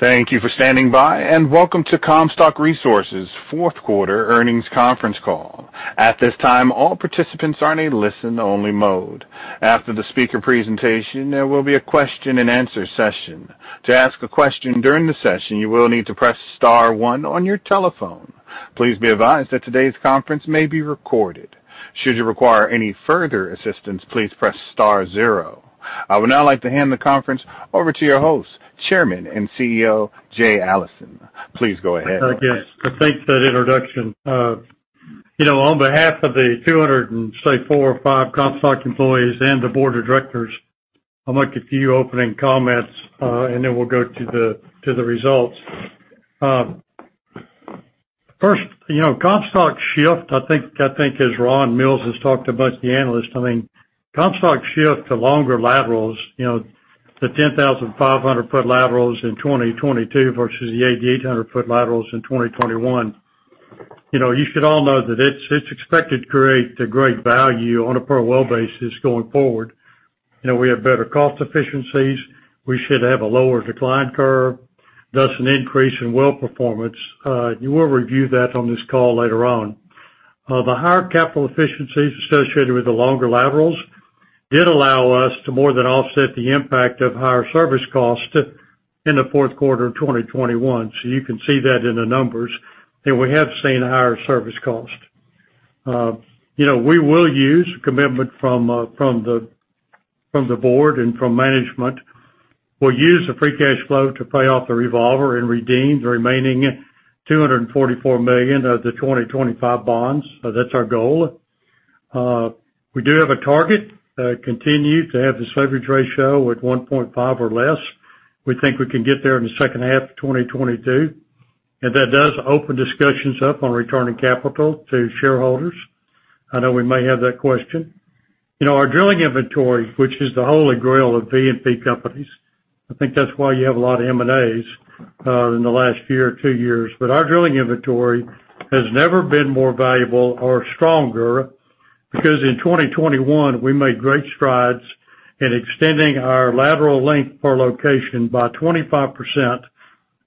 Thank you for standing by, and welcome to Comstock Resources' fourth quarter earnings conference call. At this time, all participants are in a listen-only mode. After the speaker presentation, there will be a question-and-answer session. To ask a question during the session, you will need to press star one on your telephone. Please be advised that today's conference may be recorded. Should you require any further assistance, please press star zero. I would now like to hand the conference over to your host, Chairman and CEO, Jay Allison. Please go ahead. Okay. Thanks for that introduction. You know, on behalf of the 200, say, four or five Comstock employees and the board of directors, I'd like a few opening comments, and then we'll go to the results. First, you know, Comstock's shift, I think, as Ron Mills has talked about to the analysts, I mean, Comstock's shift to longer laterals, you know, the 10,500-foot laterals in 2022 versus the 8,800-foot laterals in 2021, you know, you should all know that it's expected to create great value on a per well basis going forward. You know, we have better cost efficiencies. We should have a lower decline curve, thus an increase in well performance. You will review that on this call later on. The higher capital efficiencies associated with the longer laterals did allow us to more than offset the impact of higher service costs in the fourth quarter of 2021. You can see that in the numbers that we have seen higher service costs. You know, we have commitment from the board and from management. We'll use the free cash flow to pay off the revolver and redeem the remaining $244 million of the 2025 bonds. That's our goal. We do have a target, continue to have this leverage ratio at 1.5 or less. We think we can get there in the second half of 2022, and that does open discussions up on returning capital to shareholders. I know we may have that question. You know, our drilling inventory, which is the holy grail of E&P companies, I think that's why you have a lot of M&As in the last year or two years. Our drilling inventory has never been more valuable or stronger, because in 2021, we made great strides in extending our lateral length per location by 25%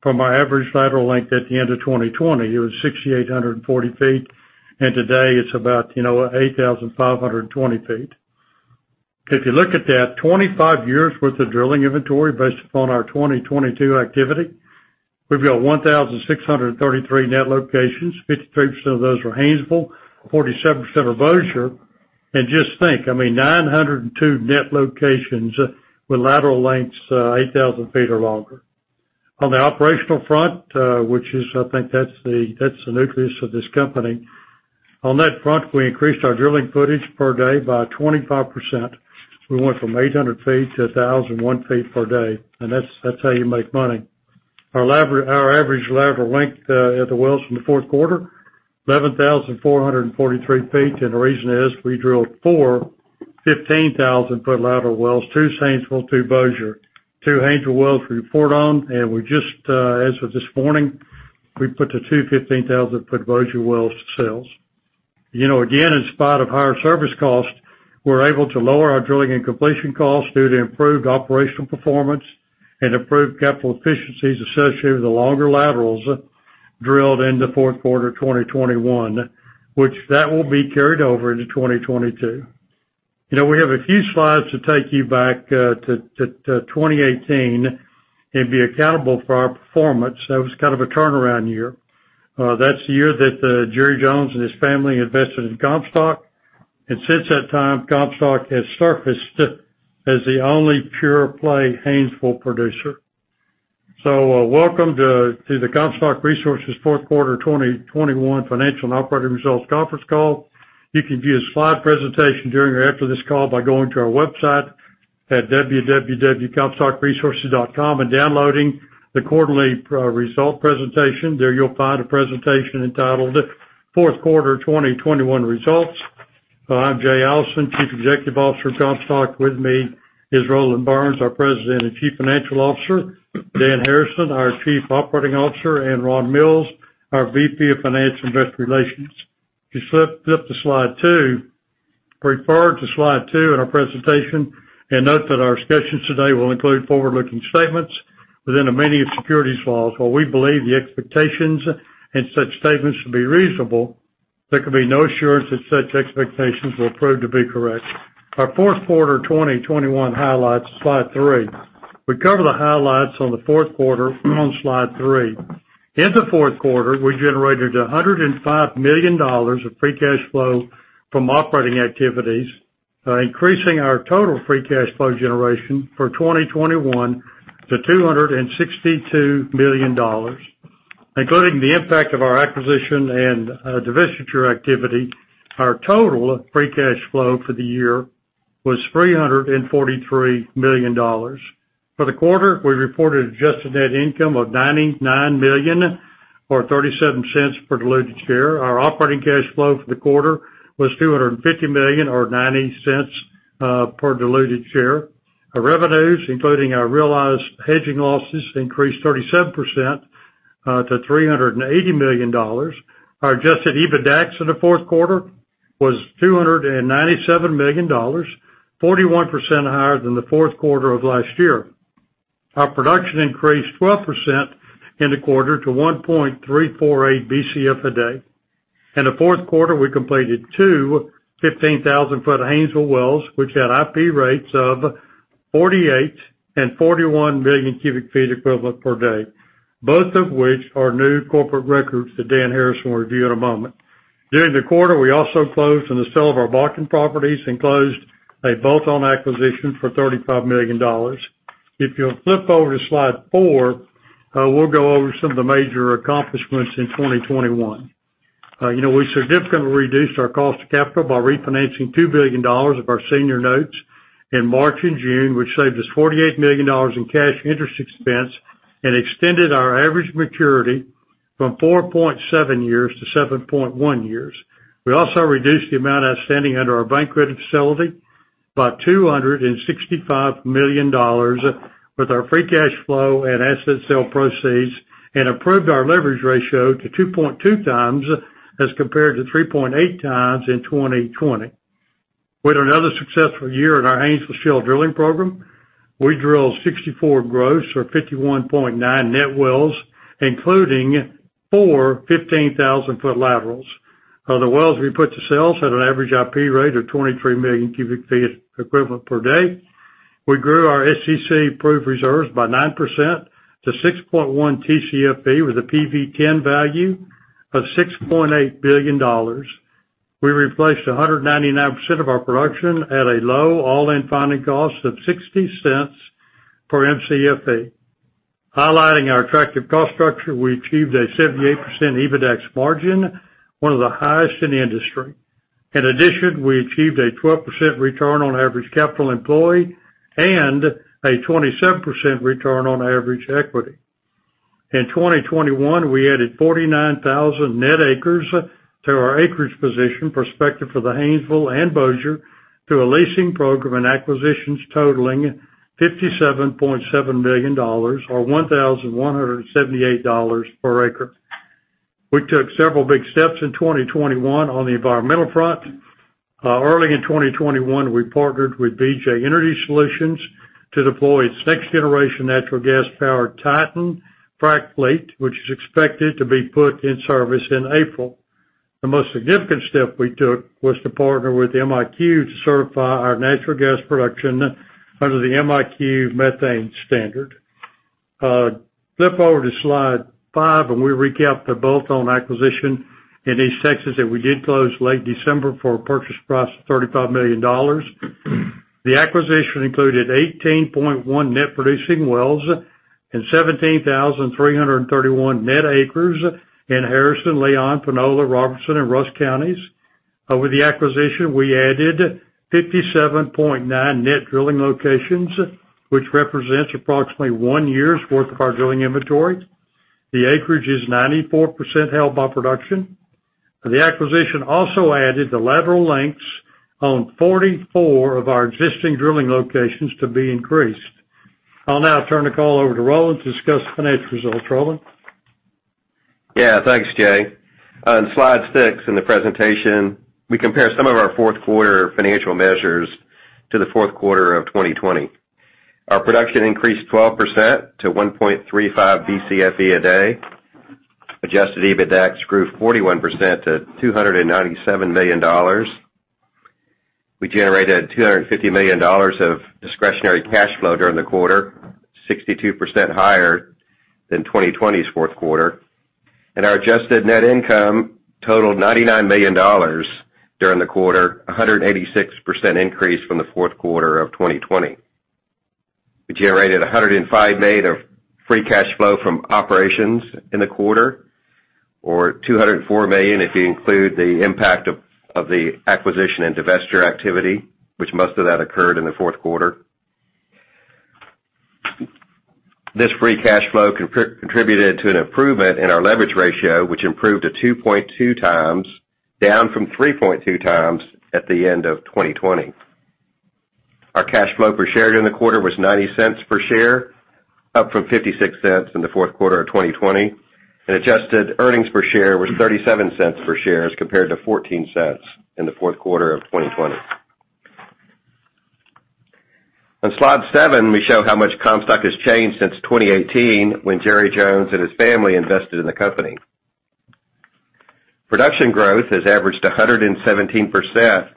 from our average lateral length at the end of 2020. It was 6,840 ft, and today it's about, you know, 8,520 ft. If you look at that, 25 years worth of drilling inventory based upon our 2022 activity, we've built 1,633 net locations. 53% of those were Haynesville, 47% were Bossier. Just think, I mean, 902 net locations with lateral lengths 8,000 ft or longer. On the operational front, which is, I think, the nucleus of this company. On that front, we increased our drilling footage per day by 25%. We went from 800 ft-1,001 ft per day, and that's how you make money. Our average lateral length at the wells in the fourth quarter, 11,443 ft, and the reason is we drilled four 15,000-foot lateral wells, two Haynesville, two Bossier. Two Haynesville wells we report on, and we just, as of this morning, we put the two 15,000-foot Bossier wells to sales. You know, again, in spite of higher service costs, we're able to lower our drilling and completion costs due to improved operational performance and improved capital efficiencies associated with the longer laterals drilled in the fourth quarter of 2021, which will be carried over into 2022. You know, we have a few slides to take you back to 2018 and be accountable for our performance. That was kind of a turnaround year. That's the year that Jerry Jones and his family invested in Comstock. Since that time, Comstock has surfaced as the only pure play Haynesville producer. Welcome to the Comstock Resources fourth quarter 2021 financial and operating results conference call. You can view a slide presentation during or after this call by going to our website at comstockresources.com and downloading the quarterly result presentation. There you'll find a presentation entitled Fourth Quarter 2021 Results. I'm Jay Allison, Chief Executive Officer of Comstock. With me is Roland Burns, our President and Chief Financial Officer, Dan Harrison, our Chief Operating Officer, and Ron Mills, our VP of Finance and Investor Relations. If you flip to slide two, refer to slide two in our presentation and note that our discussions today will include forward-looking statements within the meaning of the securities laws. While we believe the expectations in such statements to be reasonable, there can no assurance that such expectations will prove to be correct. Our fourth quarter 2021 highlights, slide three. We cover the highlights on the fourth quarter on slide three. In the fourth quarter, we generated $105 million of free cash flow from operating activities, increasing our total free cash flow generation for 2021 to $262 million. Including the impact of our acquisition and divestiture activity, our total free cash flow for the year was $343 million. For the quarter, we reported adjusted net income of $99 million or $0.37 per diluted share. Our operating cash flow for the quarter was $250 million or $0.90 per diluted share. Our revenues, including our realized hedging losses, increased 37% to $380 million. Our Adjusted EBITDAX in the fourth quarter was $297 million, 41% higher than the fourth quarter of last year. Our production increased 12% in the quarter to 1.348 Bcf a day. In the fourth quarter, we completed two 15,000-foot Haynesville wells, which had IP rates of 48 and 41 MMcf equivalent per day, both of which are new corporate records that Dan Harrison will review in a moment. During the quarter, we also closed on the sale of our Bakken properties and closed a bolt-on acquisition for $35 million. If you'll flip over to slide four, we'll go over some of the major accomplishments in 2021. You know, we significantly reduced our cost of capital by refinancing $2 billion of our senior notes in March and June, which saved us $48 million in cash interest expense and extended our average maturity from 4.7 years-7.1 years. We also reduced the amount outstanding under our bank credit facility by $265 million with our free cash flow and asset sale proceeds and improved our leverage ratio to 2.2x as compared to 3.8x in 2020. We had another successful year in our Haynesville Shale drilling program. We drilled 64 gross or 51.9 net wells, including four 15,000-foot laterals. The wells we put to sales had an average IP rate of 23 MMcf equivalent per day. We grew our SEC proved reserves by 9% to 6.1 TCFE with a PV-10 value of $6.8 billion. We replaced 199% of our production at a low all-in finding cost of $0.60 per Mcfe. Highlighting our attractive cost structure, we achieved a 78% EBITDAX margin, one of the highest in the industry. In addition, we achieved a 12% return on average capital employed and a 27% return on average equity. In 2021, we added 49,000 net acres to our acreage position prospective for the Haynesville and Bossier through a leasing program and acquisitions totaling $57.7 million or $1,178 per acre. We took several big steps in 2021 on the environmental front. Early in 2021, we partnered with BJ Energy Solutions to deploy its next generation natural gas powered Titan frac fleet, which is expected to be put in service in April. The most significant step we took was to partner with MiQ to certify our natural gas production under the MiQ methane standard. Flip over to slide five. We recap the bolt-on acquisition in East Texas that we did close late December for a purchase price of $35 million. The acquisition included 18.1 net producing wells and 17,331 net acres in Harrison, Leon, Panola, Robertson, and Rusk counties. With the acquisition, we added 57.9 net drilling locations, which represents approximately one year's worth of our drilling inventory. The acreage is 94% held by production. The acquisition also added the lateral lengths on 44 of our existing drilling locations to be increased. I'll now turn the call over to Roland to discuss the financial results. Roland? Yeah. Thanks, Jay. On slide six in the presentation, we compare some of our fourth quarter financial measures to the fourth quarter of 2020. Our production increased 12% to 1.35 Bcfe a day. Adjusted EBITDAX grew 41% to $297 million. We generated $250 million of discretionary cash flow during the quarter, 62% higher than 2020's fourth quarter. Our adjusted net income totaled $99 million during the quarter, 186% increase from the fourth quarter of 2020. We generated $105 million of free cash flow from operations in the quarter or $204 million if you include the impact of the acquisition and divestiture activity, which most of that occurred in the fourth quarter. This free cash flow contributed to an improvement in our leverage ratio, which improved to 2.2x, down from 3.2x at the end of 2020. Our cash flow per share during the quarter was $0.90 per share, up from $0.56 in the fourth quarter of 2020. Adjusted earnings per share was $0.37 per share as compared to $0.14 in the fourth quarter of 2020. On slide seven, we show how much Comstock has changed since 2018 when Jerry Jones and his family invested in the company. Production growth has averaged 117%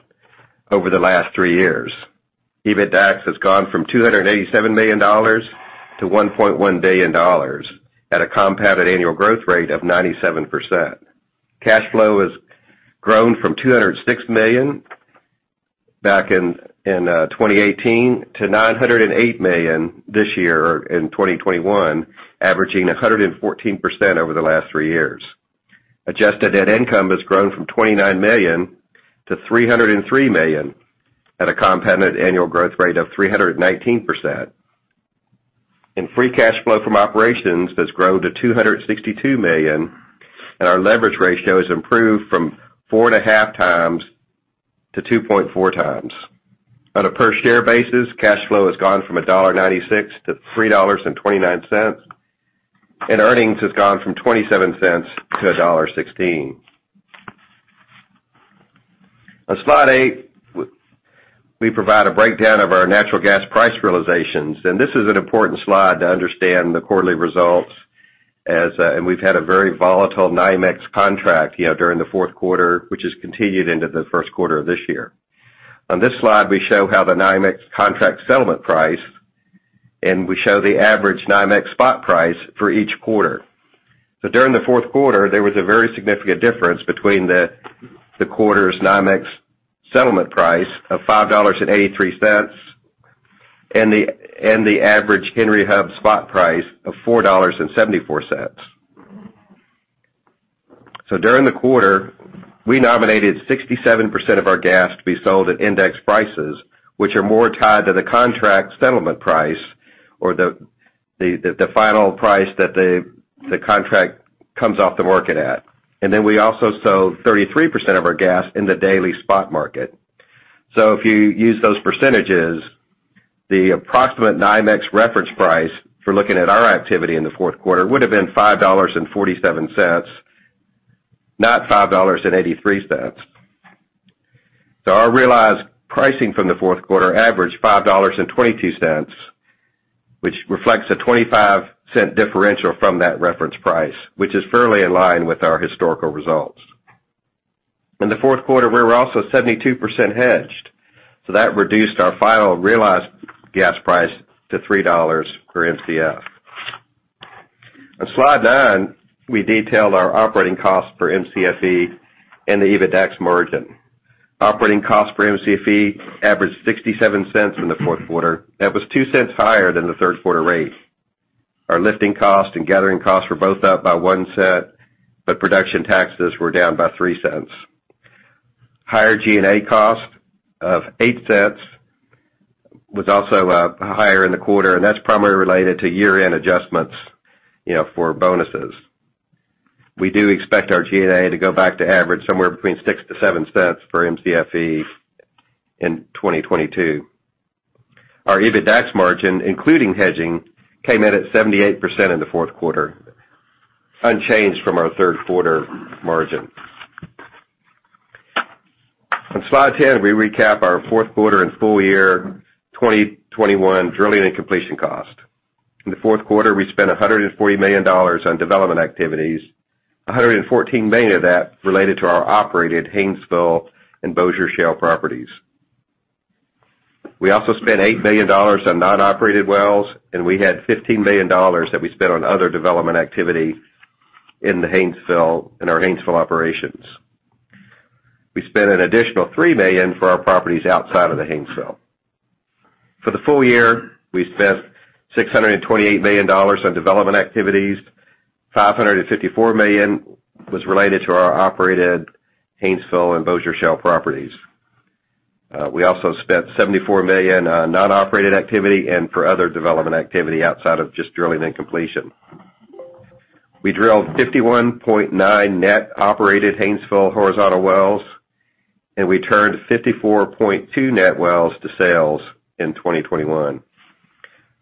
over the last three years. EBITDAX has gone from $287 million-$1.1 billion at a compounded annual growth rate of 97%. Cash flow has grown from $206 million back in 2018 to $908 million this year in 2021, averaging 114% over the last three years. Adjusted net income has grown from $29 million-$303 million at a compounded annual growth rate of 319%. Free cash flow from operations has grown to $262 million, and our leverage ratio has improved from 4.5x-2.4x. On a per share basis, cash flow has gone from $1.96-$3.29. Earnings has gone from $0.27-$1.16. On slide eight, we provide a breakdown of our natural gas price realizations. This is an important slide to understand the quarterly results as and we've had a very volatile NYMEX contract, you know, during the fourth quarter, which has continued into the first quarter of this year. On this slide, we show how the NYMEX contract settlement price, and we show the average NYMEX spot price for each quarter. During the fourth quarter, there was a very significant difference between the quarter's NYMEX settlement price of $5.83 and the average Henry Hub spot price of $4.74. During the quarter, we nominated 67% of our gas to be sold at index prices, which are more tied to the contract settlement price or the final price that the contract comes off the market at. We also sold 33% of our gas in the daily spot market. If you use those percentages, the approximate NYMEX reference price for looking at our activity in the fourth quarter would have been $5.47, not $5.83. Our realized pricing from the fourth quarter averaged $5.22, which reflects a $0.25 differential from that reference price, which is fairly in line with our historical results. In the fourth quarter, we were also 72% hedged, so that reduced our final realized gas price to $3 per Mcf. On slide nine, we detailed our operating costs for Mcfe and the EBITDAX margin. Operating costs for Mcfe averaged $0.67 in the fourth quarter. That was $0.02 higher than the third quarter rate. Our lifting costs and gathering costs were both up by $0.01, but production taxes were down by $0.03. Higher G&A cost of $0.08 was also higher in the quarter, and that's primarily related to year-end adjustments, you know, for bonuses. We do expect our G&A to go back to average somewhere between $0.06-$0.07 per Mcfe in 2022. Our EBITDAX margin, including hedging, came in at 78% in the fourth quarter, unchanged from our third quarter margin. On slide 10, we recap our fourth quarter and full year 2021 drilling and completion cost. In the fourth quarter, we spent $140 million on development activities, $114 million of that related to our operated Haynesville and Bossier Shale properties. We also spent $8 million on non-operated wells, and we had $15 million that we spent on other development activity in the Haynesville, in our Haynesville operations. We spent an additional $3 million for our properties outside of the Haynesville. For the full year, we spent $628 million on development activities. $554 million was related to our operated Haynesville and Bossier Shale properties. We also spent $74 million on non-operated activity and for other development activity outside of just drilling and completion. We drilled 51.9 net operated Haynesville horizontal wells, and we turned 54.2 net wells to sales in 2021.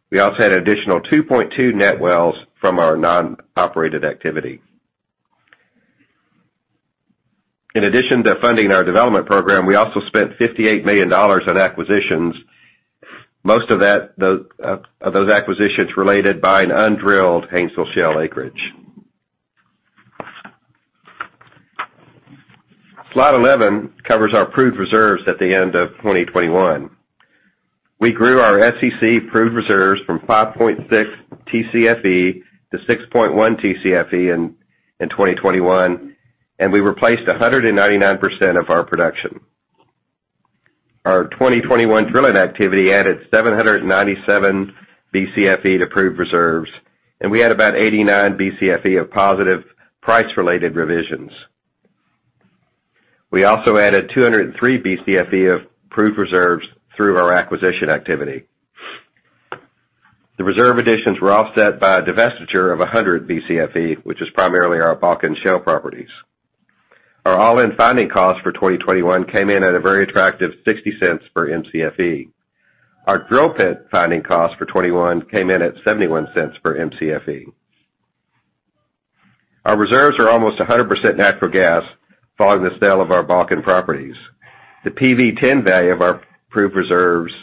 We also had an additional 2.2 net wells from our non-operated activity. In addition to funding our development program, we also spent $58 million on acquisitions. Most of that, of those acquisitions related to buying undrilled Haynesville Shale acreage. Slide 11 covers our proved reserves at the end of 2021. We grew our SEC proved reserves from 5.6 TCFE-6.1 TCFE in 2021, and we replaced 199% of our production. Our 2021 drilling activity added 797 Bcfe to proved reserves, and we had about 89 Bcfe of positive price-related revisions. We also added 203 Bcfe of proved reserves through our acquisition activity. The reserve additions were offset by a divestiture of 100 Bcfe, which is primarily our Bakken Shale properties. Our all-in finding cost for 2021 came in at a very attractive $0.60 per Mcfe. Our drill bit finding cost for 2021 came in at $0.71 per Mcfe. Our reserves are almost 100% natural gas following the sale of our Bakken properties. The PV-10 value of our proved reserves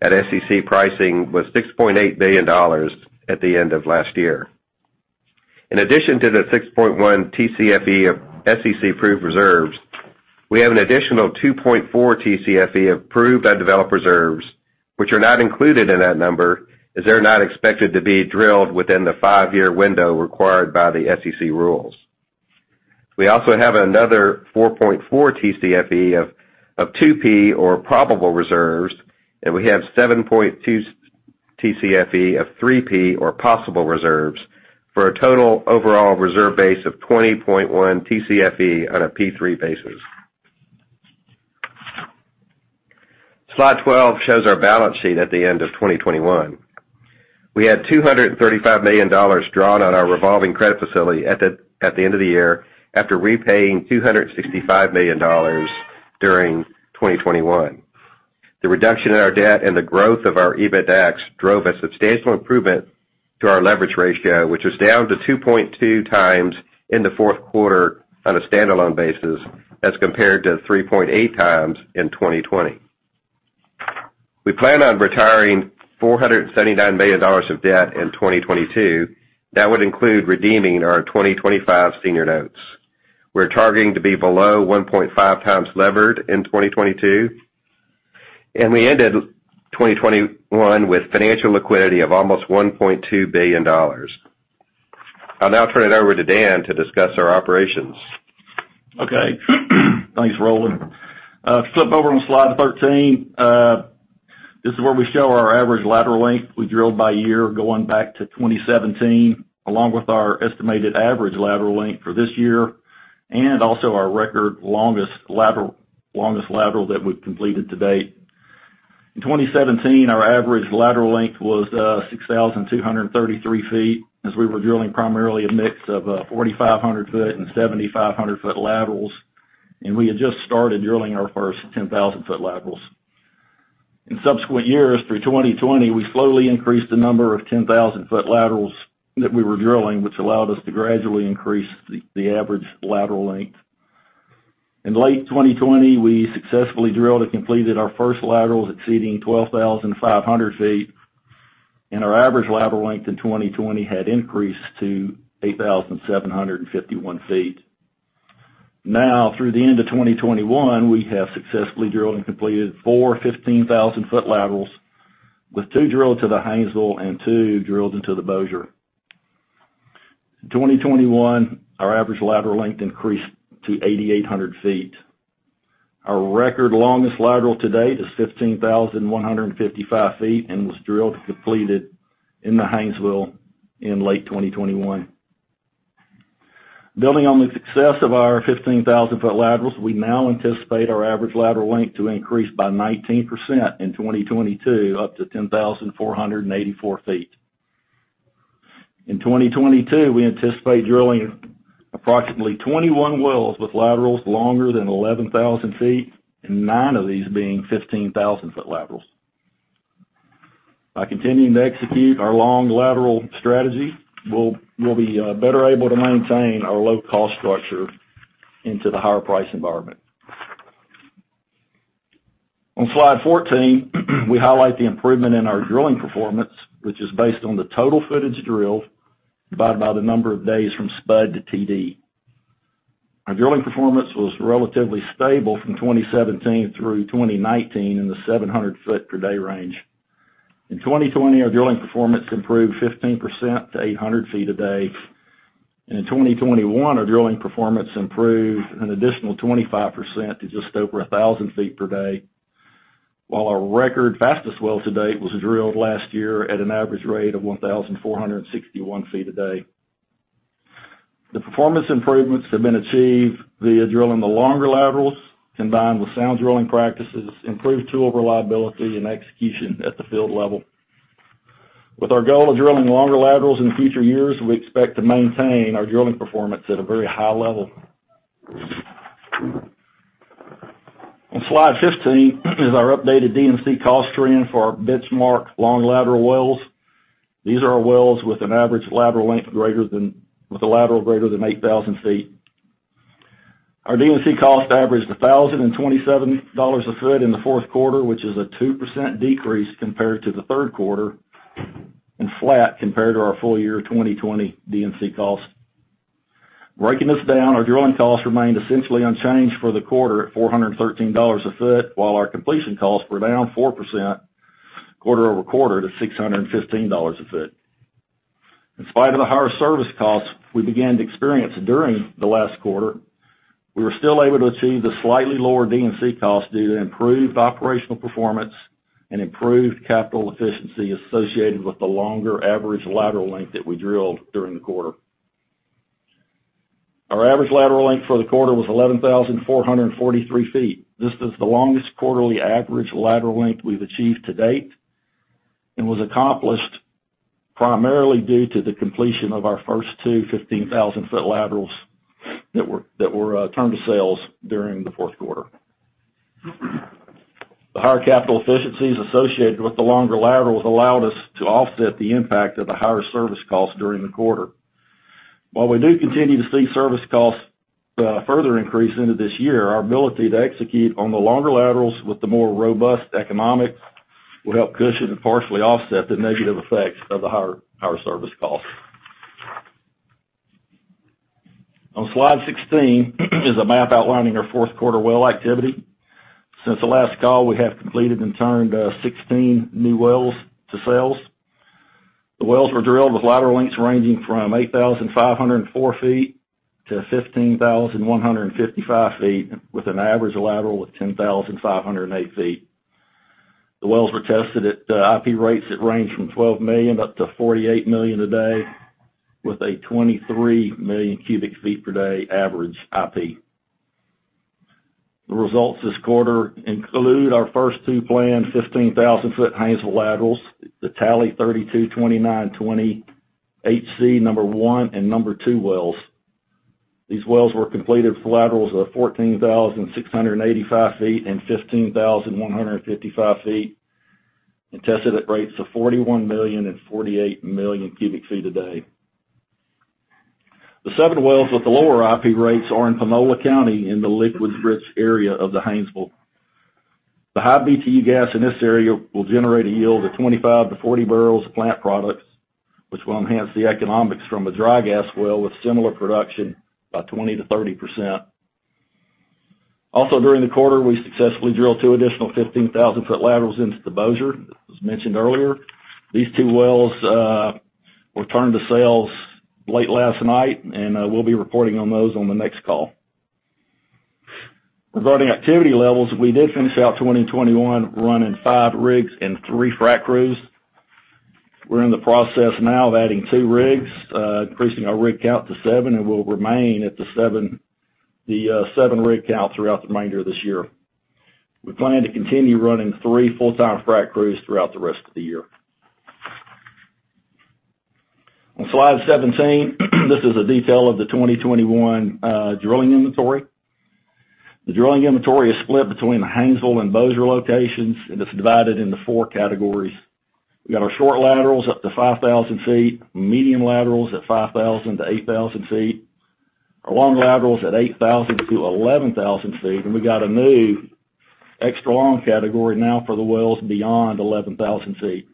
at SEC pricing was $6.8 billion at the end of last year. In addition to the 6.1 Tcfe of SEC proved reserves, we have an additional 2.4 Tcfe of proved undeveloped reserves, which are not included in that number, as they're not expected to be drilled within the five-year window required by the SEC rules. We also have another 4.4 Tcfe of 2P or probable reserves, and we have 7.2 Tcfe of 3P or possible reserves, for a total overall reserve base of 20.1 Tcfe on a P3 basis. Slide 12 shows our balance sheet at the end of 2021. We had $235 million drawn on our revolving credit facility at the end of the year after repaying $265 million during 2021. The reduction in our debt and the growth of our EBITDAX drove a substantial improvement to our leverage ratio, which is down to 2.2x in the fourth quarter on a standalone basis as compared to 3.8x in 2020. We plan on retiring $479 million of debt in 2022. That would include redeeming our 2025 senior notes. We're targeting to be below 1.5x levered in 2022, and we ended 2021 with financial liquidity of almost $1.2 billion. I'll now turn it over to Dan to discuss our operations. Okay. Thanks, Roland. Flip over to slide 13. This is where we show our average lateral length we drilled by year going back to 2017, along with our estimated average lateral length for this year, and also our record longest lateral that we've completed to date. In 2017, our average lateral length was 6,233 ft, as we were drilling primarily a mix of 4,500 ft and 7,500 ft laterals, and we had just started drilling our first 10,000 ft laterals. In subsequent years, through 2020, we slowly increased the number of 10,000 ft laterals that we were drilling, which allowed us to gradually increase the average lateral length. In late 2020, we successfully drilled and completed our first laterals exceeding 12,500 ft, and our average lateral length in 2020 had increased to 8,751 ft. Now, through the end of 2021, we have successfully drilled and completed four 15,000 ft laterals, with two drilled to the Haynesville and two drilled into the Bossier. In 2021, our average lateral length increased to 8,800 ft. Our record longest lateral to date is 15,155 ft and was drilled and completed in the Haynesville in late 2021. Building on the success of our 15,000 ft laterals, we now anticipate our average lateral length to increase by 19% in 2022 up to 10,484 feet. In 2022, we anticipate drilling approximately 21 wells with laterals longer than 11,000 ft, and nine of these being 15,000 ft laterals. By continuing to execute our long lateral strategy, we'll be better able to maintain our low cost structure into the higher price environment. On slide 14, we highlight the improvement in our drilling performance, which is based on the total footage drilled divided by the number of days from spud to TD. Our drilling performance was relatively stable from 2017 through 2019 in the 700 ft per day range. In 2020, our drilling performance improved 15% to 800 ft a day. In 2021, our drilling performance improved an additional 25% to just over 1,000 ft per day. While our record fastest well to date was drilled last year at an average rate of 1,461 ft a day. The performance improvements have been achieved via drilling the longer laterals combined with sound drilling practices, improved tool reliability, and execution at the field level. With our goal of drilling longer laterals in future years, we expect to maintain our drilling performance at a very high level. On slide 15 is our updated D&C cost trend for our benchmark long lateral wells. These are our wells with a lateral greater than 8,000 ft. Our D&C cost averaged $1,027 ft in the fourth quarter, which is a 2% decrease compared to the third quarter and flat compared to our full year 2020 D&C costs. Breaking this down, our drilling costs remained essentially unchanged for the quarter at $413 ft, while our completion costs were down 4% quarter over quarter to $615 ft. In spite of the higher service costs we began to experience during the last quarter, we were still able to achieve the slightly lower D&C costs due to improved operational performance and improved capital efficiency associated with the longer average lateral length that we drilled during the quarter. Our average lateral length for the quarter was 11,443 ft. This is the longest quarterly average lateral length we've achieved to date and was accomplished primarily due to the completion of our first two 15,000 ft laterals that were turned to sales during the fourth quarter. The higher capital efficiencies associated with the longer laterals allowed us to offset the impact of the higher service costs during the quarter. While we do continue to see service costs further increase into this year, our ability to execute on the longer laterals with the more robust economics will help cushion and partially offset the negative effects of the higher service costs. On slide 16 is a map outlining our fourth quarter well activity. Since the last call, we have completed and turned 16 new wells to sales. The wells were drilled with lateral lengths ranging from 8,504 ft-15,155 ft, with an average lateral of 10,508 ft. The wells were tested at IP rates that range from 12 million-48 million a day with a 23 MMcf/d average IP. The results this quarter include our first two planned 15,000 ft Haynesville laterals, the Talley 32-29-20 HC #1 and #2 wells. These wells were completed with laterals of 14,685 ft and 15,155 ft, and tested at rates of 41 million and 48 MMcf/d. The seven wells with the lower IP rates are in Panola County in the liquids-rich area of the Haynesville. The high BTU gas in this area will generate a yield of 25-40 bbl of plant products, which will enhance the economics from a dry gas well with similar production by 20%-30%. During the quarter, we successfully drilled two additional 15,000 ft laterals into the Bossier, as mentioned earlier. These two wells were turned to sales late last night, and we'll be reporting on those on the next call. Regarding activity levels, we did finish out 2021 running five rigs and three frac crews. We're in the process now of adding two rigs, increasing our rig count to seven, and we'll remain at the seven rig count throughout the remainder of this year. We plan to continue running three full-time frac crews throughout the rest of the year. On slide 17, this is a detail of the 2021 drilling inventory. The drilling inventory is split between the Haynesville and Bossier locations, and it's divided into four categories. We got our short laterals up to 5,000 ft, medium laterals at 5,000 ft-8,000 ft, our long laterals at 8,000 ft-11,000 ft, and we got a new extra-long category now for the wells beyond 11,000 ft.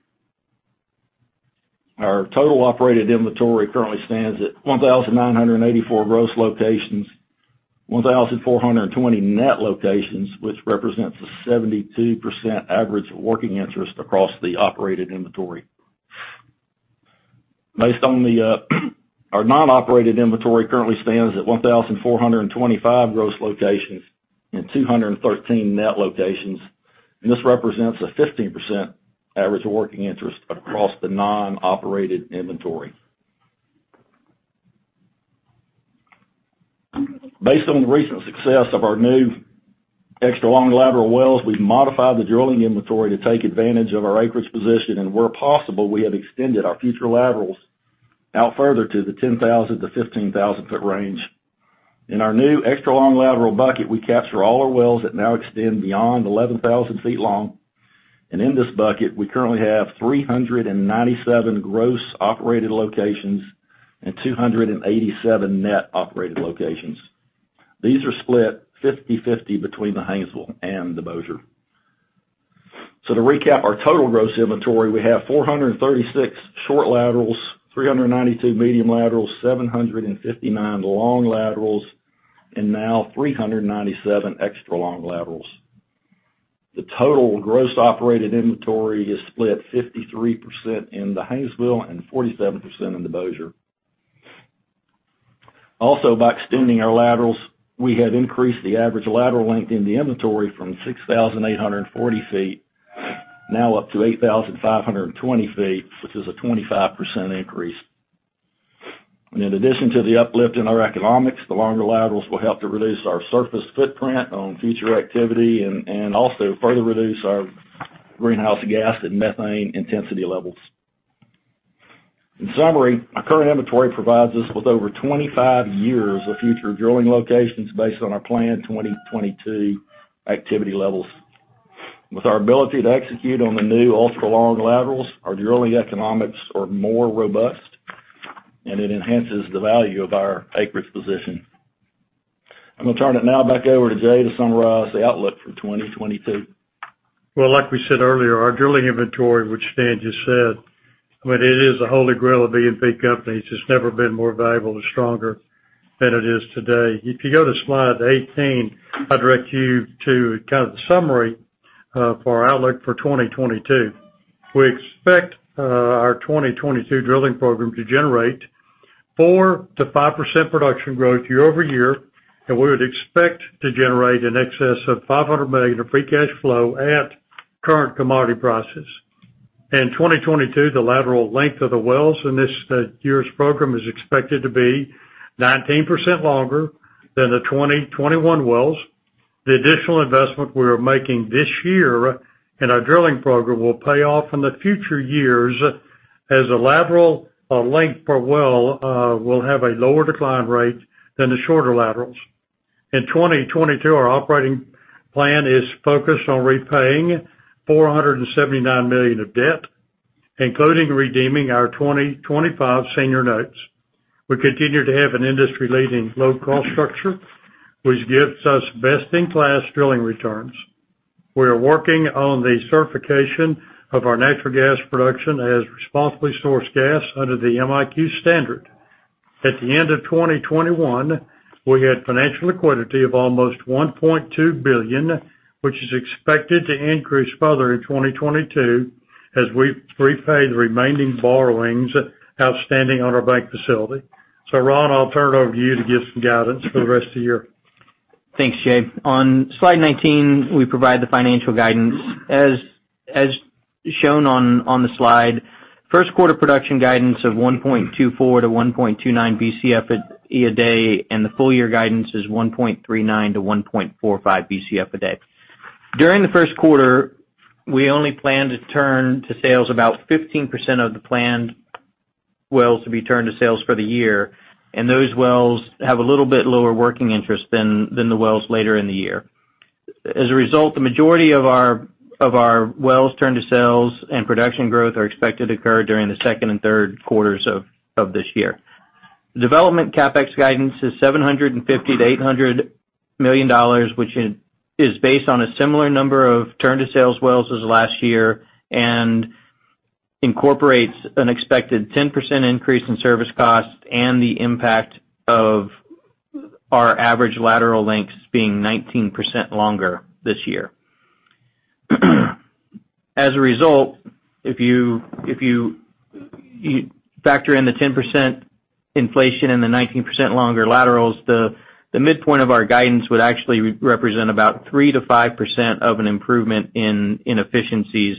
Our total operated inventory currently stands at 1,984 gross locations, 1,420 net locations, which represents a 72% average working interest across the operated inventory. Based on our non-operated inventory currently stands at 1,425 gross locations and 213 net locations, and this represents a 15% average working interest across the non-operated inventory. Based on the recent success of our new extra-long lateral wells, we've modified the drilling inventory to take advantage of our acreage position, and where possible, we have extended our future laterals out further to the 10,000 ft-15,000-ft range. In our new extra-long lateral bucket, we capture all our wells that now extend beyond 11,000 ft long. In this bucket, we currently have 397 gross operated locations and 287 net operated locations. These are split 50/50 between the Haynesville and the Bossier. To recap our total gross inventory, we have 436 short laterals, 392 medium laterals, 759 long laterals, and now 397 extra-long laterals. The total gross operated inventory is split 53% in the Haynesville and 47% in the Bossier. Also, by extending our laterals, we have increased the average lateral length in the inventory from 6,840 ft-8,520 ft, which is a 25% increase. In addition to the uplift in our economics, the longer laterals will help to reduce our surface footprint on future activity and also further reduce our greenhouse gas and methane intensity levels. In summary, our current inventory provides us with over 25 years of future drilling locations based on our planned 2022 activity levels. With our ability to execute on the new ultra-long laterals, our drilling economics are more robust and it enhances the value of our acreage position. I'm gonna turn it now back over to Jay to summarize the outlook for 2022. Well, like we said earlier, our drilling inventory, which Dan just said, I mean, it is the Holy Grail of E&P companies. It's never been more valuable and stronger than it is today. If you go to slide 18, I'd direct you to kind of the summary for our outlook for 2022. We expect our 2022 drilling program to generate 4%-5% production growth year-over-year, and we would expect to generate in excess of $500 million of free cash flow at current commodity prices. In 2022, the lateral length of the wells in this year's program is expected to be 19% longer than the 2021 wells. The additional investment we are making this year in our drilling program will pay off in the future years as a lateral, length per well, will have a lower decline rate than the shorter laterals. In 2022, our operating plan is focused on repaying $479 million of debt, including redeeming our 2025 senior notes. We continue to have an industry-leading low cost structure, which gives us best-in-class drilling returns. We are working on the certification of our natural gas production as responsibly sourced gas under the MiQ standard. At the end of 2021, we had financial liquidity of almost $1.2 billion, which is expected to increase further in 2022 as we repay the remaining borrowings outstanding on our bank facility. Ron, I'll turn it over to you to give some guidance for the rest of the year. Thanks, Jay. On slide 19, we provide the financial guidance. As shown on the slide, first quarter production guidance of 1.24 Bcf/d-1.29 Bcf/d, and the full year guidance is 1.39 Bcf/d-1.45 Bcf/d. During the first quarter, we only plan to turn to sales about 15% of the planned wells to be turned to sales for the year, and those wells have a little bit lower working interest than the wells later in the year. As a result, the majority of our wells turned to sales and production growth are expected to occur during the second and third quarters of this year. Development CapEx guidance is $750 million-$800 million, which is based on a similar number of turn-to-sales wells as last year and incorporates an expected 10% increase in service costs and the impact of our average lateral lengths being 19% longer this year. As a result, if you factor in the 10% inflation and the 19% longer laterals, the midpoint of our guidance would actually represent about 3%-5% of an improvement in efficiencies,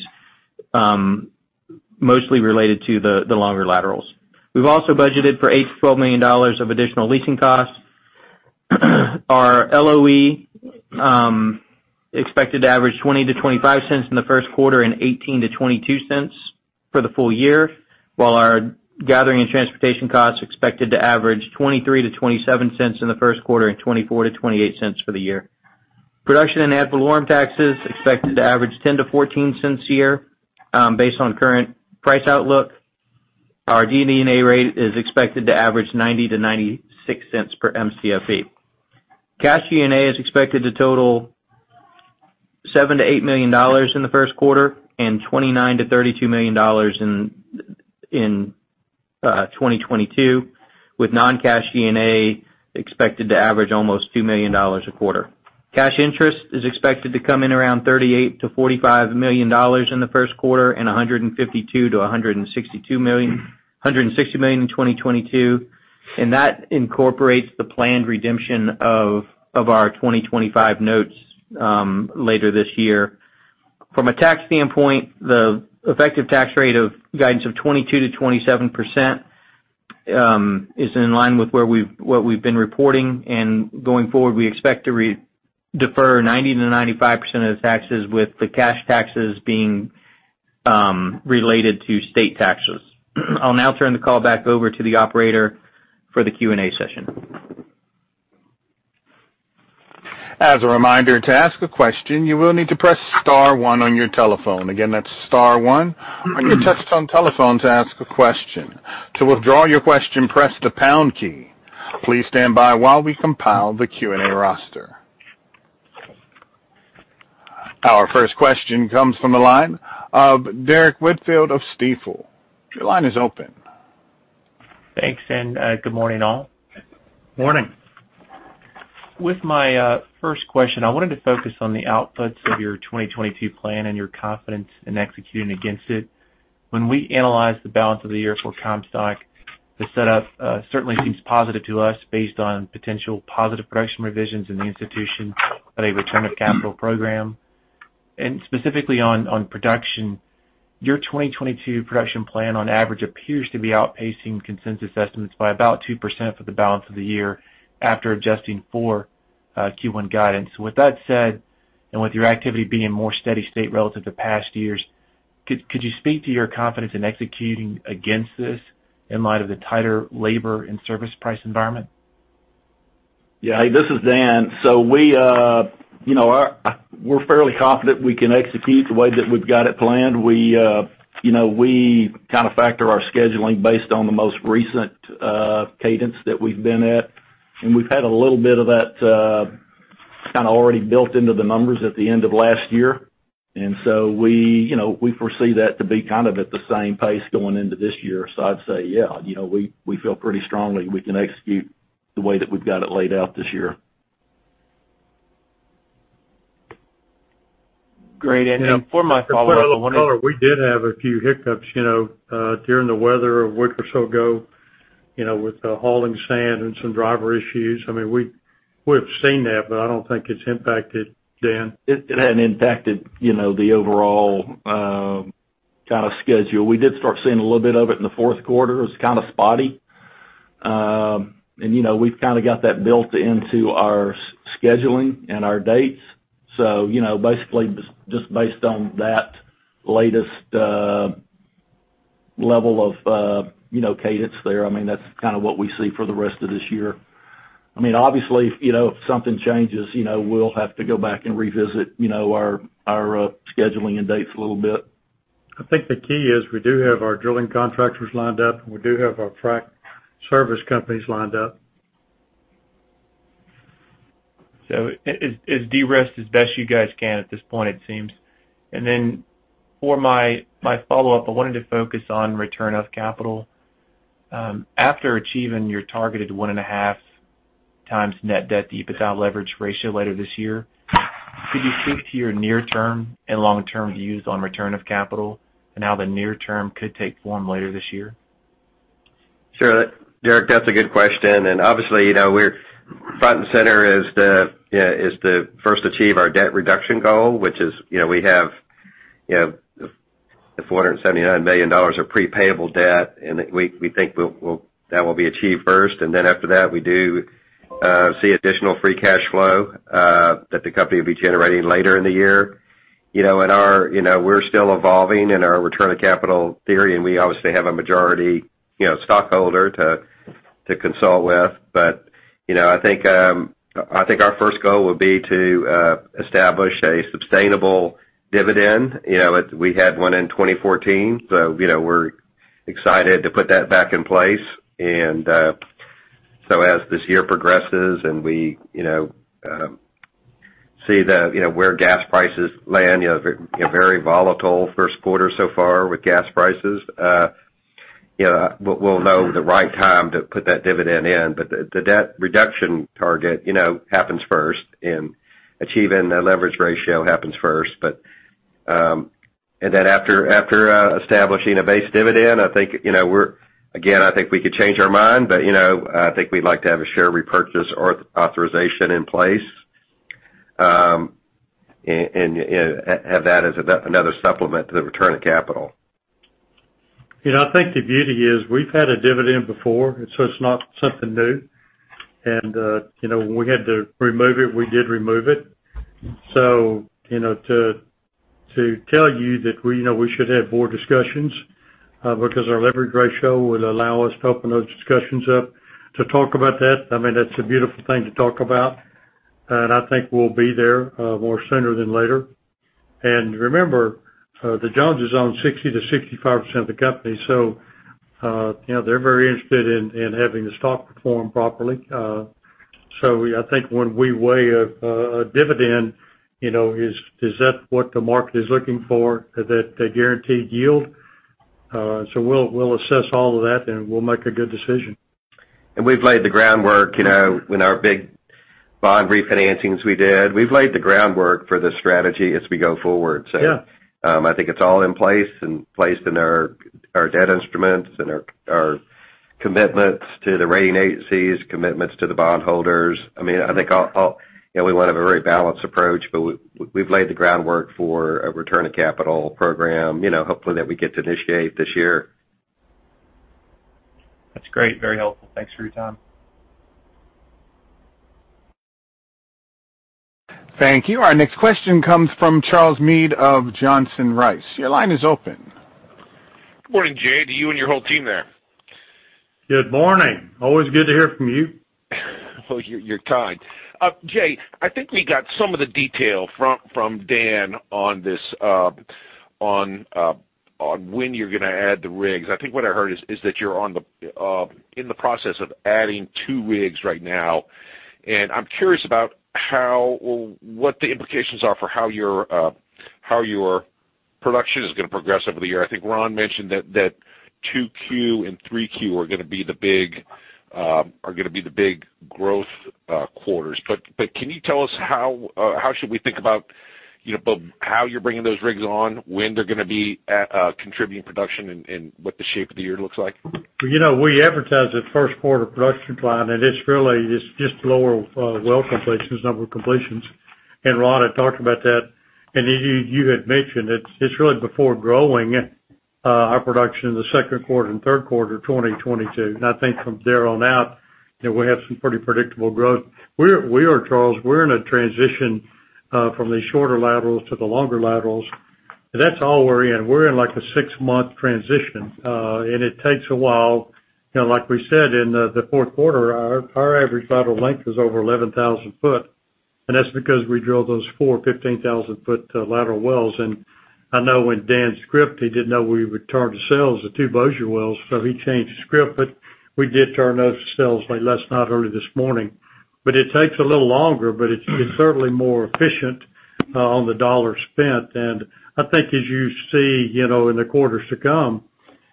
mostly related to the longer laterals. We've also budgeted for $8 million-$12 million of additional leasing costs. Our LOE expected to average $0.20-$0.25 in the first quarter and $0.18-$0.22 for the full year, while our gathering and transportation costs expected to average $0.23-$0.27 in the first quarter and $0.24-$0.28 for the year. Production and ad valorem tax is expected to average $0.10-$0.14 a year, based on current price outlook. Our DD&A rate is expected to average $0.90-$0.96 per Mcfe. Cash G&A is expected to total $7 million-$8 million in the first quarter and $29 million-$32 million in 2022, with non-cash G&A expected to average almost $2 million a quarter. Cash interest is expected to come in around $38 million-$45 million in the first quarter and $152 million-$160 million in 2022, and that incorporates the planned redemption of our 2025 notes later this year. From a tax standpoint, the effective tax rate guidance of 22%-27% is in line with what we've been reporting. Going forward, we expect to defer 90%-95% of the taxes with the cash taxes being related to state taxes. I'll now turn the call back over to the operator for the Q&A session. As a reminder, to ask a question, you will need to press star one on your telephone. Again, that's star one on your touch-tone telephone to ask a question. To withdraw your question, press the pound key. Please stand by while we compile the Q&A roster. Our first question comes from the line of Derrick Whitfield of Stifel. Your line is open. Thanks, and good morning, all. Morning. With my first question, I wanted to focus on the outputs of your 2022 plan and your confidence in executing against it. When we analyze the balance of the year for Comstock, the setup certainly seems positive to us based on potential positive production revisions and the initiation of a return of capital program. Specifically on production, your 2022 production plan on average appears to be outpacing consensus estimates by about 2% for the balance of the year after adjusting for Q1 guidance. With that said, and with your activity being more steady state relative to past years, could you speak to your confidence in executing against this in light of the tighter labor and service price environment? Yeah. Hey, this is Dan. We you know, we're fairly confident we can execute the way that we've got it planned. We you know, we kinda factor our scheduling based on the most recent cadence that we've been at, and we've had a little bit of that kinda already built into the numbers at the end of last year. We you know, we foresee that to be kind of at the same pace going into this year. I'd say, yeah, you know, we feel pretty strongly we can execute the way that we've got it laid out this year. Great. For my follow-up, I wanted. To follow up, we did have a few hiccups, you know, during the weather a week or so ago, you know, with the hauling sand and some driver issues. I mean, we've seen that, but I don't think it's impacted Dan. It hadn't impacted, you know, the overall kinda schedule. We did start seeing a little bit of it in the fourth quarter. It was kinda spotty. You know, we've kinda got that built into our scheduling and our dates. You know, basically just based on that latest level of, you know, cadence there, I mean, that's kinda what we see for the rest of this year. I mean, obviously, you know, if something changes, you know, we'll have to go back and revisit, you know, our scheduling and dates a little bit. I think the key is we do have our drilling contractors lined up, and we do have our frac service companies lined up. It's de-risked as best you guys can at this point, it seems. Then for my follow-up, I wanted to focus on return of capital. After achieving your targeted one and a half times net debt-to-EBITDA leverage ratio later this year, could you speak to your near-term and long-term views on return of capital and how the near term could take form later this year? Sure. Derek, that's a good question. Obviously, you know, front and center is to first achieve our debt reduction goal, which is, you know, we have The $479 million are prepayable debt, and we think that will be achieved first. Then after that, we see additional free cash flow that the company will be generating later in the year. You know, and our, you know, we're still evolving in our return of capital theory, and we obviously have a majority, you know, stockholder to consult with. You know, I think our first goal will be to establish a sustainable dividend. You know, we had one in 2014, so, you know, we're excited to put that back in place. So as this year progresses, and we, you know, see the, you know, where gas prices land, you know, a very volatile first quarter so far with gas prices, you know, we'll know the right time to put that dividend in. The debt reduction target, you know, happens first and achieving the leverage ratio happens first. Then after establishing a base dividend, I think, you know, again, I think we could change our mind, but, you know, I think we'd like to have a share repurchase authorization in place, and have that as another supplement to the return of capital. You know, I think the beauty is we've had a dividend before, so it's not something new. You know, when we had to remove it, we did remove it. You know, to tell you that we you know should have board discussions because our leverage ratio would allow us to open those discussions up to talk about that, I mean, that's a beautiful thing to talk about. I think we'll be there more sooner than later. Remember, the Joneses own 60%-65% of the company, you know, they're very interested in having the stock perform properly. I think when we weigh a dividend, you know, is that what the market is looking for, that guaranteed yield? We'll assess all of that, and we'll make a good decision. We've laid the groundwork, you know, when our big bond refinancings we did. We've laid the groundwork for the strategy as we go forward. Yeah. I think it's all in place and placed in our debt instruments and our commitments to the rating agencies, commitments to the bondholders. I mean, I think all, you know, we want to have a very balanced approach, but we've laid the groundwork for a return of capital program, you know, hopefully that we get to initiate this year. That's great. Very helpful. Thanks for your time. Thank you. Our next question comes from Charles Meade of Johnson Rice. Your line is open. Good morning, Jay, to you and your whole team there. Good morning. Always good to hear from you. You're kind. Jay, I think we got some of the detail from Dan on this, on when you're gonna add the rigs. I think what I heard is that you're in the process of adding two rigs right now. I'm curious about how or what the implications are for how your production is gonna progress over the year. I think Ron mentioned that 2Q and 3Q are gonna be the big growth quarters. Can you tell us how should we think about, you know, about how you're bringing those rigs on, when they're gonna be contributing production and what the shape of the year looks like? You know, we advertised the first quarter production decline, and it's really just lower well completions, number of completions. Ron had talked about that. You had mentioned it's really before growing our production in the second quarter and third quarter of 2022. I think from there on out, you know, we'll have some pretty predictable growth. We are, Charles, in a transition from the shorter laterals to the longer laterals. That's all we're in. We're in like a six-month transition, and it takes a while. You know, like we said, in the fourth quarter, our average lateral length was over 11,000 ft, and that's because we drilled those four 15,000 ft lateral wells. I know when Dan scripted, he didn't know we would turn to sales, the two Bossier wells, so he changed the script. We did turn to sales late last night, early this morning. It takes a little longer, but it's certainly more efficient on the dollar spent. I think as you see, you know, in the quarters to come,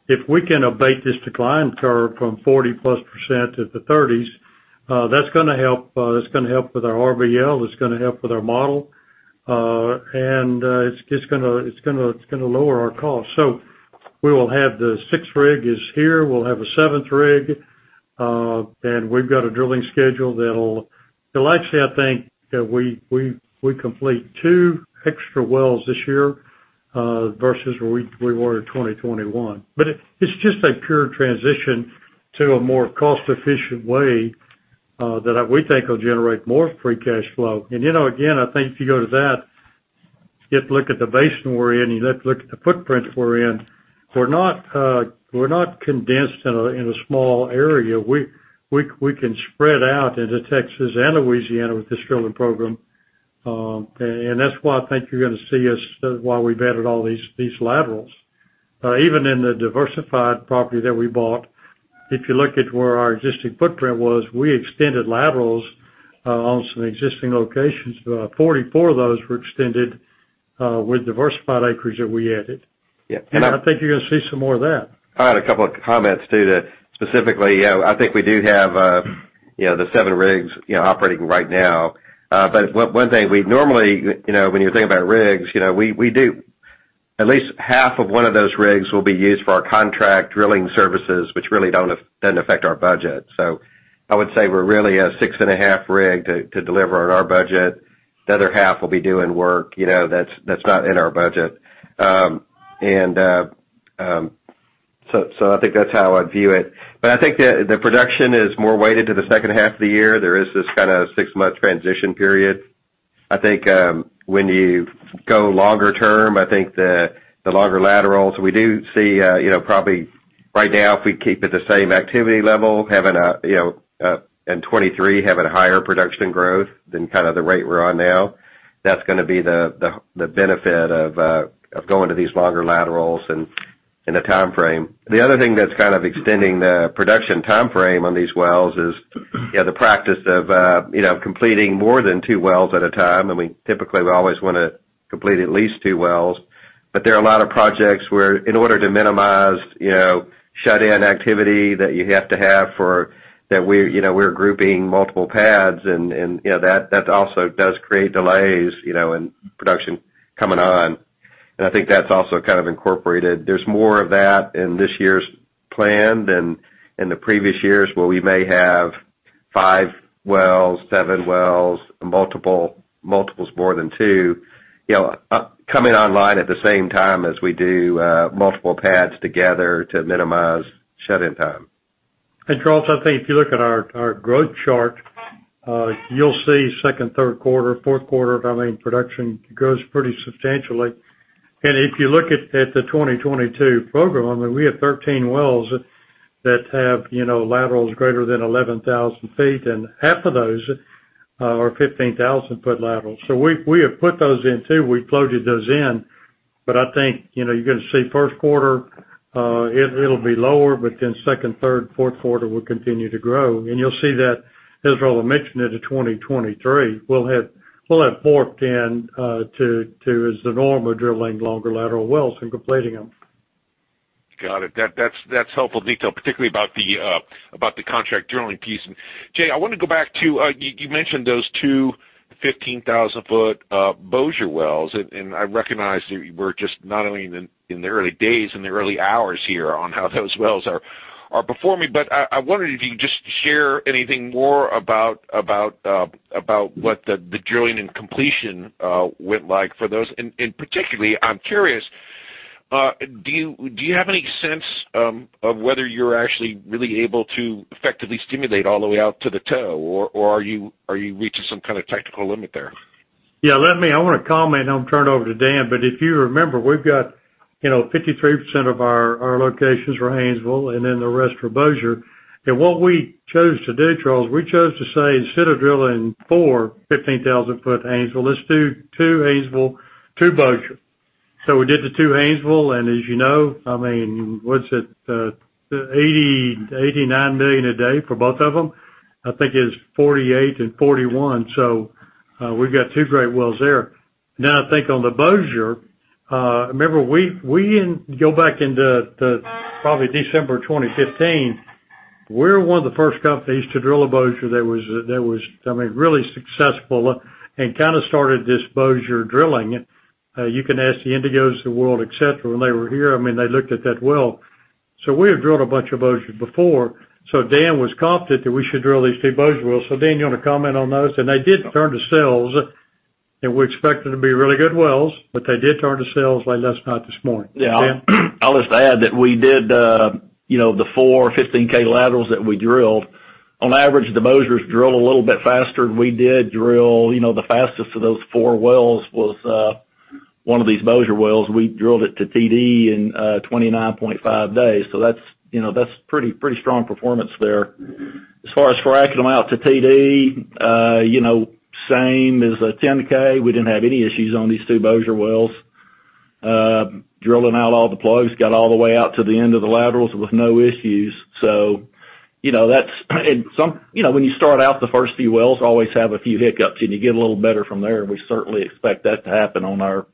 if we can abate this decline curve from 40%+ to the 30s, that's gonna help with our RBL, that's gonna help with our model. It's gonna lower our cost. We will have the sixth rig is here. We'll have a seventh rig, and we've got a drilling schedule that will actually, I think, that we complete two extra wells this year, versus where we were in 2021. It's just a pure transition to a more cost-efficient way that we think will generate more free cash flow. You know, again, I think if you go to that, you have to look at the basin we're in, you have to look at the footprint we're in. We're not concentrated in a small area. We can spread out into Texas and Louisiana with this drilling program, and that's why I think you're gonna see why we've added all these laterals. Even in the Diversified property that we bought, if you look at where our existing footprint was, we extended laterals on some existing locations. 44 of those were extended with Diversified acreage that we added. Yeah. I think you're gonna see some more of that. I had a couple of comments to that. Specifically, you know, I think we do have, you know, the seven rigs, you know, operating right now. One thing, we normally, you know, when you think about rigs, you know, we do at least half of one of those rigs will be used for our contract drilling services, which really doesn't affect our budget. I would say we're really a six and a half rig to deliver on our budget. The other half will be doing work, you know, that's not in our budget. I think that's how I'd view it. I think the production is more weighted to the second half of the year. There is this kinda six-month transition period. I think when you go longer term, I think the longer laterals, we do see you know probably right now, if we keep at the same activity level, having a you know in 2023, having a higher production growth than kind of the rate we're on now, that's gonna be the benefit of going to these longer laterals and in the timeframe. The other thing that's kind of extending the production timeframe on these wells is you know the practice of you know completing more than two wells at a time, and typically, we always wanna complete at least two wells. There are a lot of projects where in order to minimize, you know, shut-in activity that you have to have. That we're, you know, we're grouping multiple pads and, you know, that also does create delays, you know, in production coming on. I think that's also kind of incorporated. There's more of that in this year's plan than in the previous years, where we may have 5 wells, 7 wells, multiples more than two, you know, upcoming online at the same time as we do multiple pads together to minimize shut-in time. Charles, I think if you look at our growth chart, you'll see second, third quarter, fourth quarter, I mean, production grows pretty substantially. If you look at the 2022 program, I mean, we have 13 wells that have laterals greater than 11,000 ft, and half of those are 15,000 ft laterals. We have put those in too. We floated those in. I think, you know, you're gonna see first quarter, it'll be lower, but then second, third, fourth quarter will continue to grow. You'll see that, as Roland mentioned, into 2023, we'll have morphed into as the norm of drilling longer lateral wells and completing them. Got it. That's helpful detail, particularly about the contract drilling piece. Jay, I wanna go back to you mentioned those two 15,000 ft Bossier wells. I recognize that we're just not only in the early days, in the early hours here on how those wells are performing. I wondered if you could just share anything more about what the drilling and completion went like for those. Particularly, I'm curious, do you have any sense of whether you're actually really able to effectively stimulate all the way out to the toe? Or are you reaching some kinda technical limit there? Yeah, let me I wanna comment, and I'll turn it over to Dan. If you remember, we've got, you know, 53% of our locations for Haynesville, and then the rest are Bossier. What we chose to do, Charles, we chose to say instead of drilling four 15,000 ft Haynesville, let's do two Haynesville, two Bossier. We did the two Haynesville, and as you know, I mean, what's it 89 million a day for both of them? I think it's 48 million and 41 million, so we've got two great wells there. Now I think on the Bossier, remember we go back into the probably December 2015, we're one of the first companies to drill a Bossier that was I mean, really successful and kinda started this Bossier drilling. You can ask the Indigo's of the world, et cetera, when they were here, I mean, they looked at that well. We have drilled a bunch of Bossier before. Dan was confident that we should drill these two Bossier wells. Dan, you wanna comment on those? They did turn to sales, and we expect them to be really good wells, but they did turn to sales like last night, this morning. Dan? I'll just add that we did, you know, the four 15K laterals that we drilled. On average, the Bossier's drilled a little bit faster. We did drill, you know, the fastest of those four wells was one of these Bossier wells. We drilled it to TD in 29.5 days, so that's, you know, that's pretty strong performance there. As far as fracking them out to TD, you know, same as a 10K. We didn't have any issues on these two Bossier wells, drilling out all the plugs, got all the way out to the end of the laterals with no issues. You know, when you start out, the first few wells always have a few hiccups, and you get a little better from there. We certainly expect that to happen on our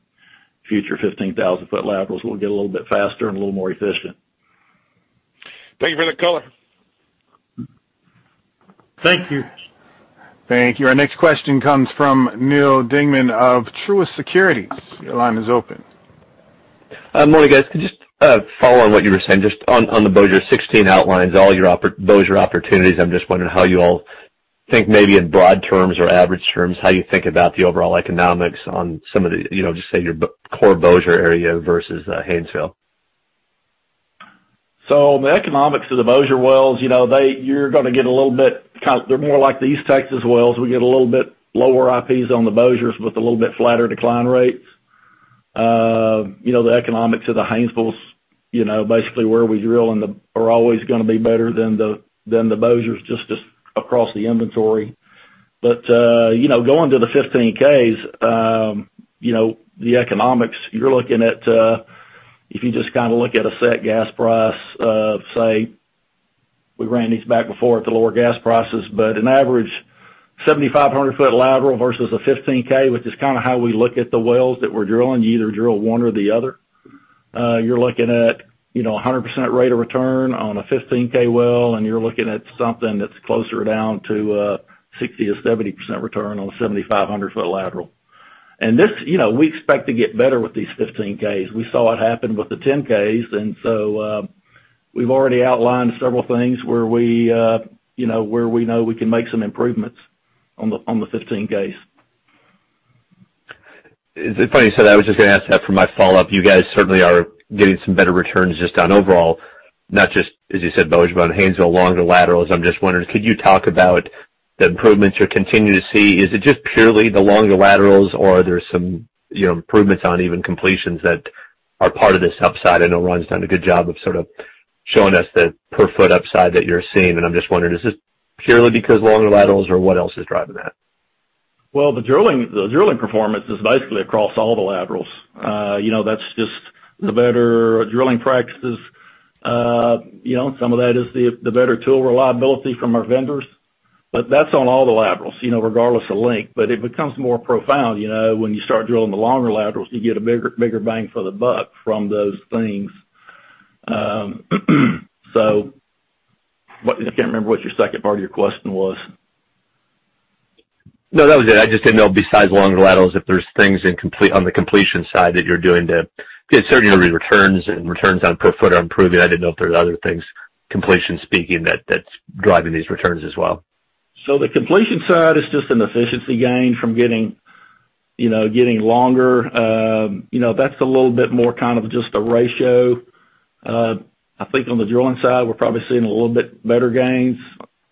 future 15,000 ft laterals. We'll get a little bit faster and a little more efficient. Thank you for the color. Thank you. Thank you. Our next question comes from Neal Dingmann of Truist Securities. Your line is open. Morning, guys. Could just follow on what you were saying. Just on the Bossier 16 outlines, all your Bossier opportunities, I'm just wondering how you all think maybe in broad terms or average terms, how you think about the overall economics on some of the, you know, just say your core Bossier area versus Haynesville. The economics of the Bossier wells, you know, you're gonna get a little bit. Kind of, they're more like the East Texas wells. We get a little bit lower IPs on the Bossier with a little bit flatter decline rates. You know, the economics of the Haynesville, you know, basically where we drill are always gonna be better than the Bossier just across the inventory. You know, going to the 15Ks, you know, the economics, you're looking at, if you just kinda look at a set gas price of, say, we ran these back and forth to lower gas prices. An average 7,500 ft lateral versus a 15K, which is kinda how we look at the wells that we're drilling, you either drill one or the other. You're looking at, you know, 100% rate of return on a 15K well, and you're looking at something that's closer down to 60% or 70% return on a 7,500 ft lateral. This, you know, we expect to get better with these 15Ks. We saw it happen with the 10Ks. We've already outlined several things where we, you know, where we know we can make some improvements on the 15Ks. It's funny you said that. I was just gonna ask that for my follow-up. You guys certainly are getting some better returns just on overall, not just, as you said, Bossier, Haynesville longer laterals. I'm just wondering, could you talk about the improvements you're continuing to see? Is it just purely the longer laterals, or are there some, you know, improvements on even completions that are part of this upside? I know Ron's done a good job of sort of showing us the per foot upside that you're seeing, and I'm just wondering, is this purely because longer laterals or what else is driving that? Well, the drilling performance is basically across all the laterals. You know, that's just the better drilling practices. You know, some of that is the better tool reliability from our vendors. That's on all the laterals, you know, regardless of length. It becomes more profound, you know, when you start drilling the longer laterals. You get a bigger bang for the buck from those things. I can't remember what your second part of your question was. No, that was it. I just didn't know besides longer laterals if there's things on the completion side that you're doing to. Because certainly your returns on per foot are improving. I didn't know if there were other things completion speaking that's driving these returns as well. The completion side is just an efficiency gain from getting, you know, longer. You know, that's a little bit more kind of just a ratio. I think on the drilling side, we're probably seeing a little bit better gains.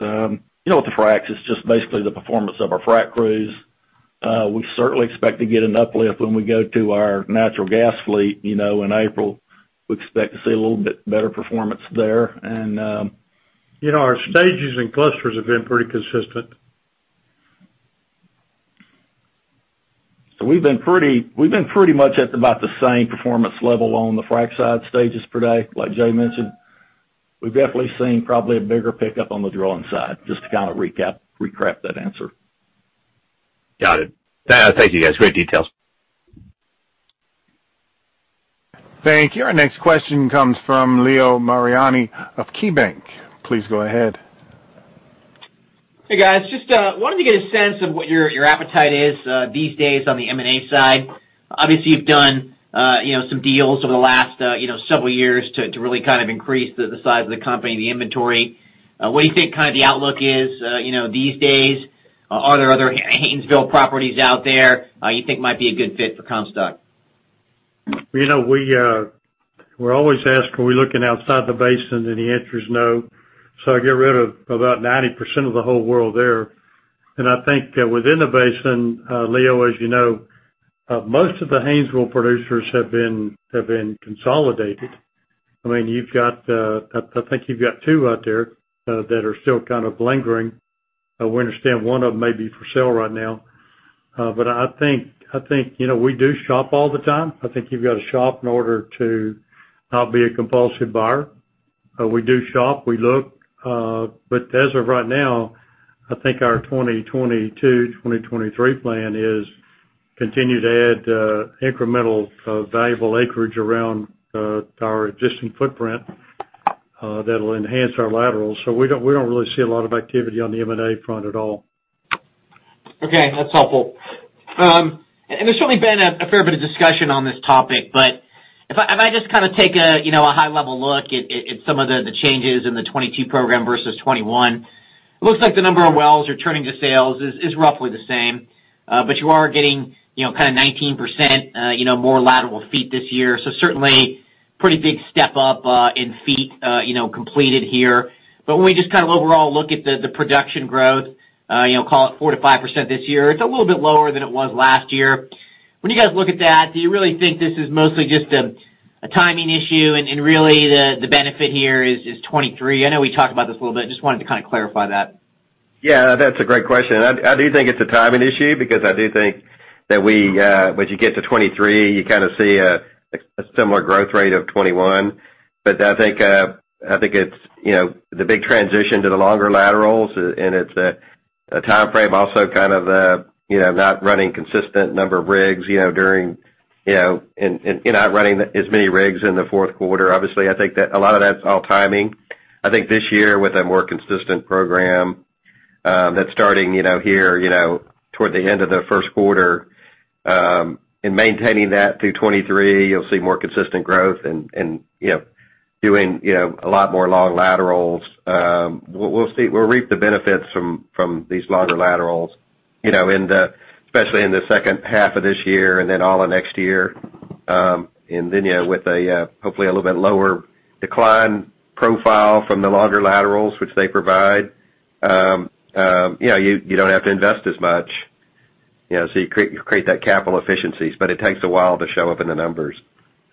You know, with the fracs, it's just basically the performance of our frac crews. We certainly expect to get an uplift when we go to our natural gas fleet, you know, in April. We expect to see a little bit better performance there. You know, our stages and clusters have been pretty consistent. We've been pretty much at about the same performance level on the frac side stages per day, like Jay mentioned. We've definitely seen probably a bigger pickup on the drilling side, just to kind of recap, recast that answer. Got it. Thank you, guys. Great details. Thank you. Our next question comes from Leo Mariani of KeyBank. Please go ahead. Hey, guys. Just wanted to get a sense of what your appetite is these days on the M&A side. Obviously, you've done you know, some deals over the last you know, several years to really kind of increase the size of the company, the inventory. What do you think kind of the outlook is you know, these days? Are there other Haynesville properties out there you think might be a good fit for Comstock? You know, we're always asked, are we looking outside the basin? The answer is no. I get rid of about 90% of the whole world there. I think, within the basin, Leo, as you know, most of the Haynesville producers have been consolidated. I mean, you've got, I think you've got two out there that are still kind of lingering. We understand one of them may be for sale right now. I think, you know, we do shop all the time. I think you've got to shop in order to not be a compulsive buyer. We do shop, we look. As of right now, I think our 2022, 2023 plan is continue to add incremental valuable acreage around our existing footprint that'll enhance our laterals. We don't really see a lot of activity on the M&A front at all. Okay, that's helpful. There's certainly been a fair bit of discussion on this topic, but if I just kinda take a high-level look at some of the changes in the 2022 program versus 2021, looks like the number of wells returning to sales is roughly the same. But you are getting kinda 19% more lateral feet this year. Certainly pretty big step up in feet completed here. When we just kind of overall look at the production growth, call it 4%-5% this year, it's a little bit lower than it was last year. When you guys look at that, do you really think this is mostly just a timing issue and really the benefit here is 2023? I know we talked about this a little bit. Just wanted to kinda clarify that. Yeah, that's a great question. I do think it's a timing issue because I do think that once you get to 2023, you kinda see a similar growth rate of 2021. I think it's you know, the big transition to the longer laterals and it's a timeframe also kind of you know, not running consistent number of rigs you know during and not running as many rigs in the fourth quarter. Obviously, I think that a lot of that's all timing. I think this year with a more consistent program that's starting here toward the end of the first quarter and maintaining that through 2023, you'll see more consistent growth and you know, doing a lot more long laterals. We'll reap the benefits from these longer laterals, you know, especially in the second half of this year and then all of next year. You know, with hopefully a little bit lower decline profile from the longer laterals which they provide, you know, you don't have to invest as much, you know, so you create that capital efficiencies, but it takes a while to show up in the numbers.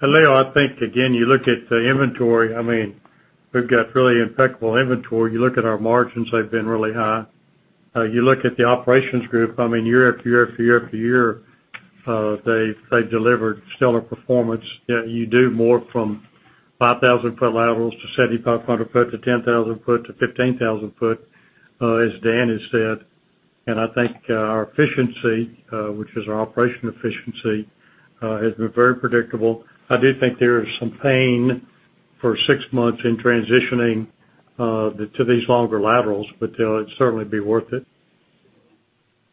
Leo, I think, again, you look at the inventory, I mean, we've got really impeccable inventory. You look at our margins, they've been really high. You look at the operations group, I mean, year after year, they've delivered stellar performance. You know, you do more from 5,000 ft laterals to 7,500 ft-10,000 ft-15,000 ft, as Dan has said. I think our efficiency, which is our operation efficiency, has been very predictable. I do think there is some pain for six months in transitioning to these longer laterals, but it'd certainly be worth it.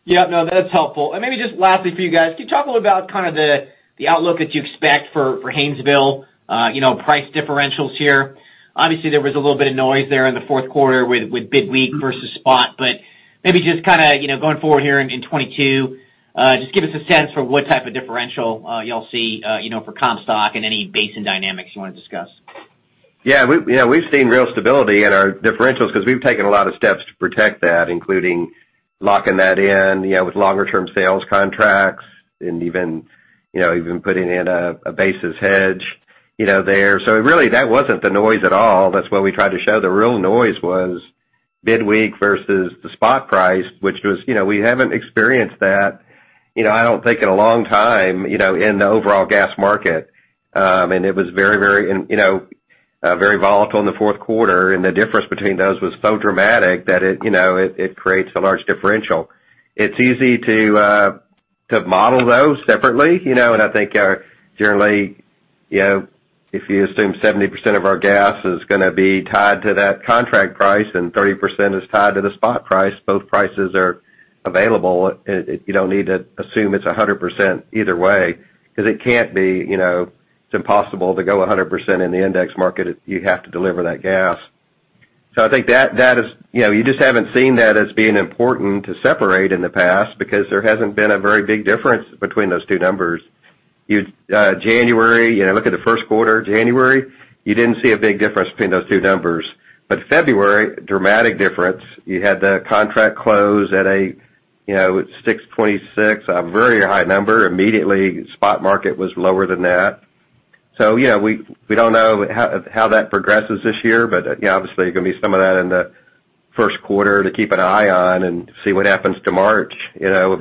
Yeah, no, that's helpful. Maybe just lastly for you guys, can you talk a little about kind of the outlook that you expect for Haynesville, you know, price differentials here? Obviously, there was a little bit of noise there in the fourth quarter with bid week versus spot, but maybe just kinda, you know, going forward here in 2022, just give us a sense for what type of differential, you'll see, you know, for Comstock and any basin dynamics you wanna discuss. Yeah, we've seen real stability in our differentials 'cause we've taken a lot of steps to protect that, including locking that in, you know, with longer-term sales contracts and even, you know, putting in a basis hedge, you know, there. So really, that wasn't the noise at all. That's what we tried to show. The real noise was bid-week versus the spot price, which was. You know, we haven't experienced that, you know, I don't think in a long time, you know, in the overall gas market. It was very volatile in the fourth quarter, and the difference between those was so dramatic that it, you know, creates a large differential. It's easy to model those separately, you know, and I think generally, you know, if you assume 70% of our gas is gonna be tied to that contract price and 30% is tied to the spot price, both prices are available. You don't need to assume it's 100% either way, 'cause it can't be. You know, it's impossible to go 100% in the index market if you have to deliver that gas. I think that is. You know, you just haven't seen that as being important to separate in the past because there hasn't been a very big difference between those two numbers. January, you know, look at the first quarter. January, you didn't see a big difference between those two numbers. February, dramatic difference. You had the contract close at a, you know, $6.26, a very high number. Immediately, spot market was lower than that. Yeah, we don't know how that progresses this year, but yeah, obviously, gonna be some of that in the first quarter to keep an eye on and see what happens to March, you know.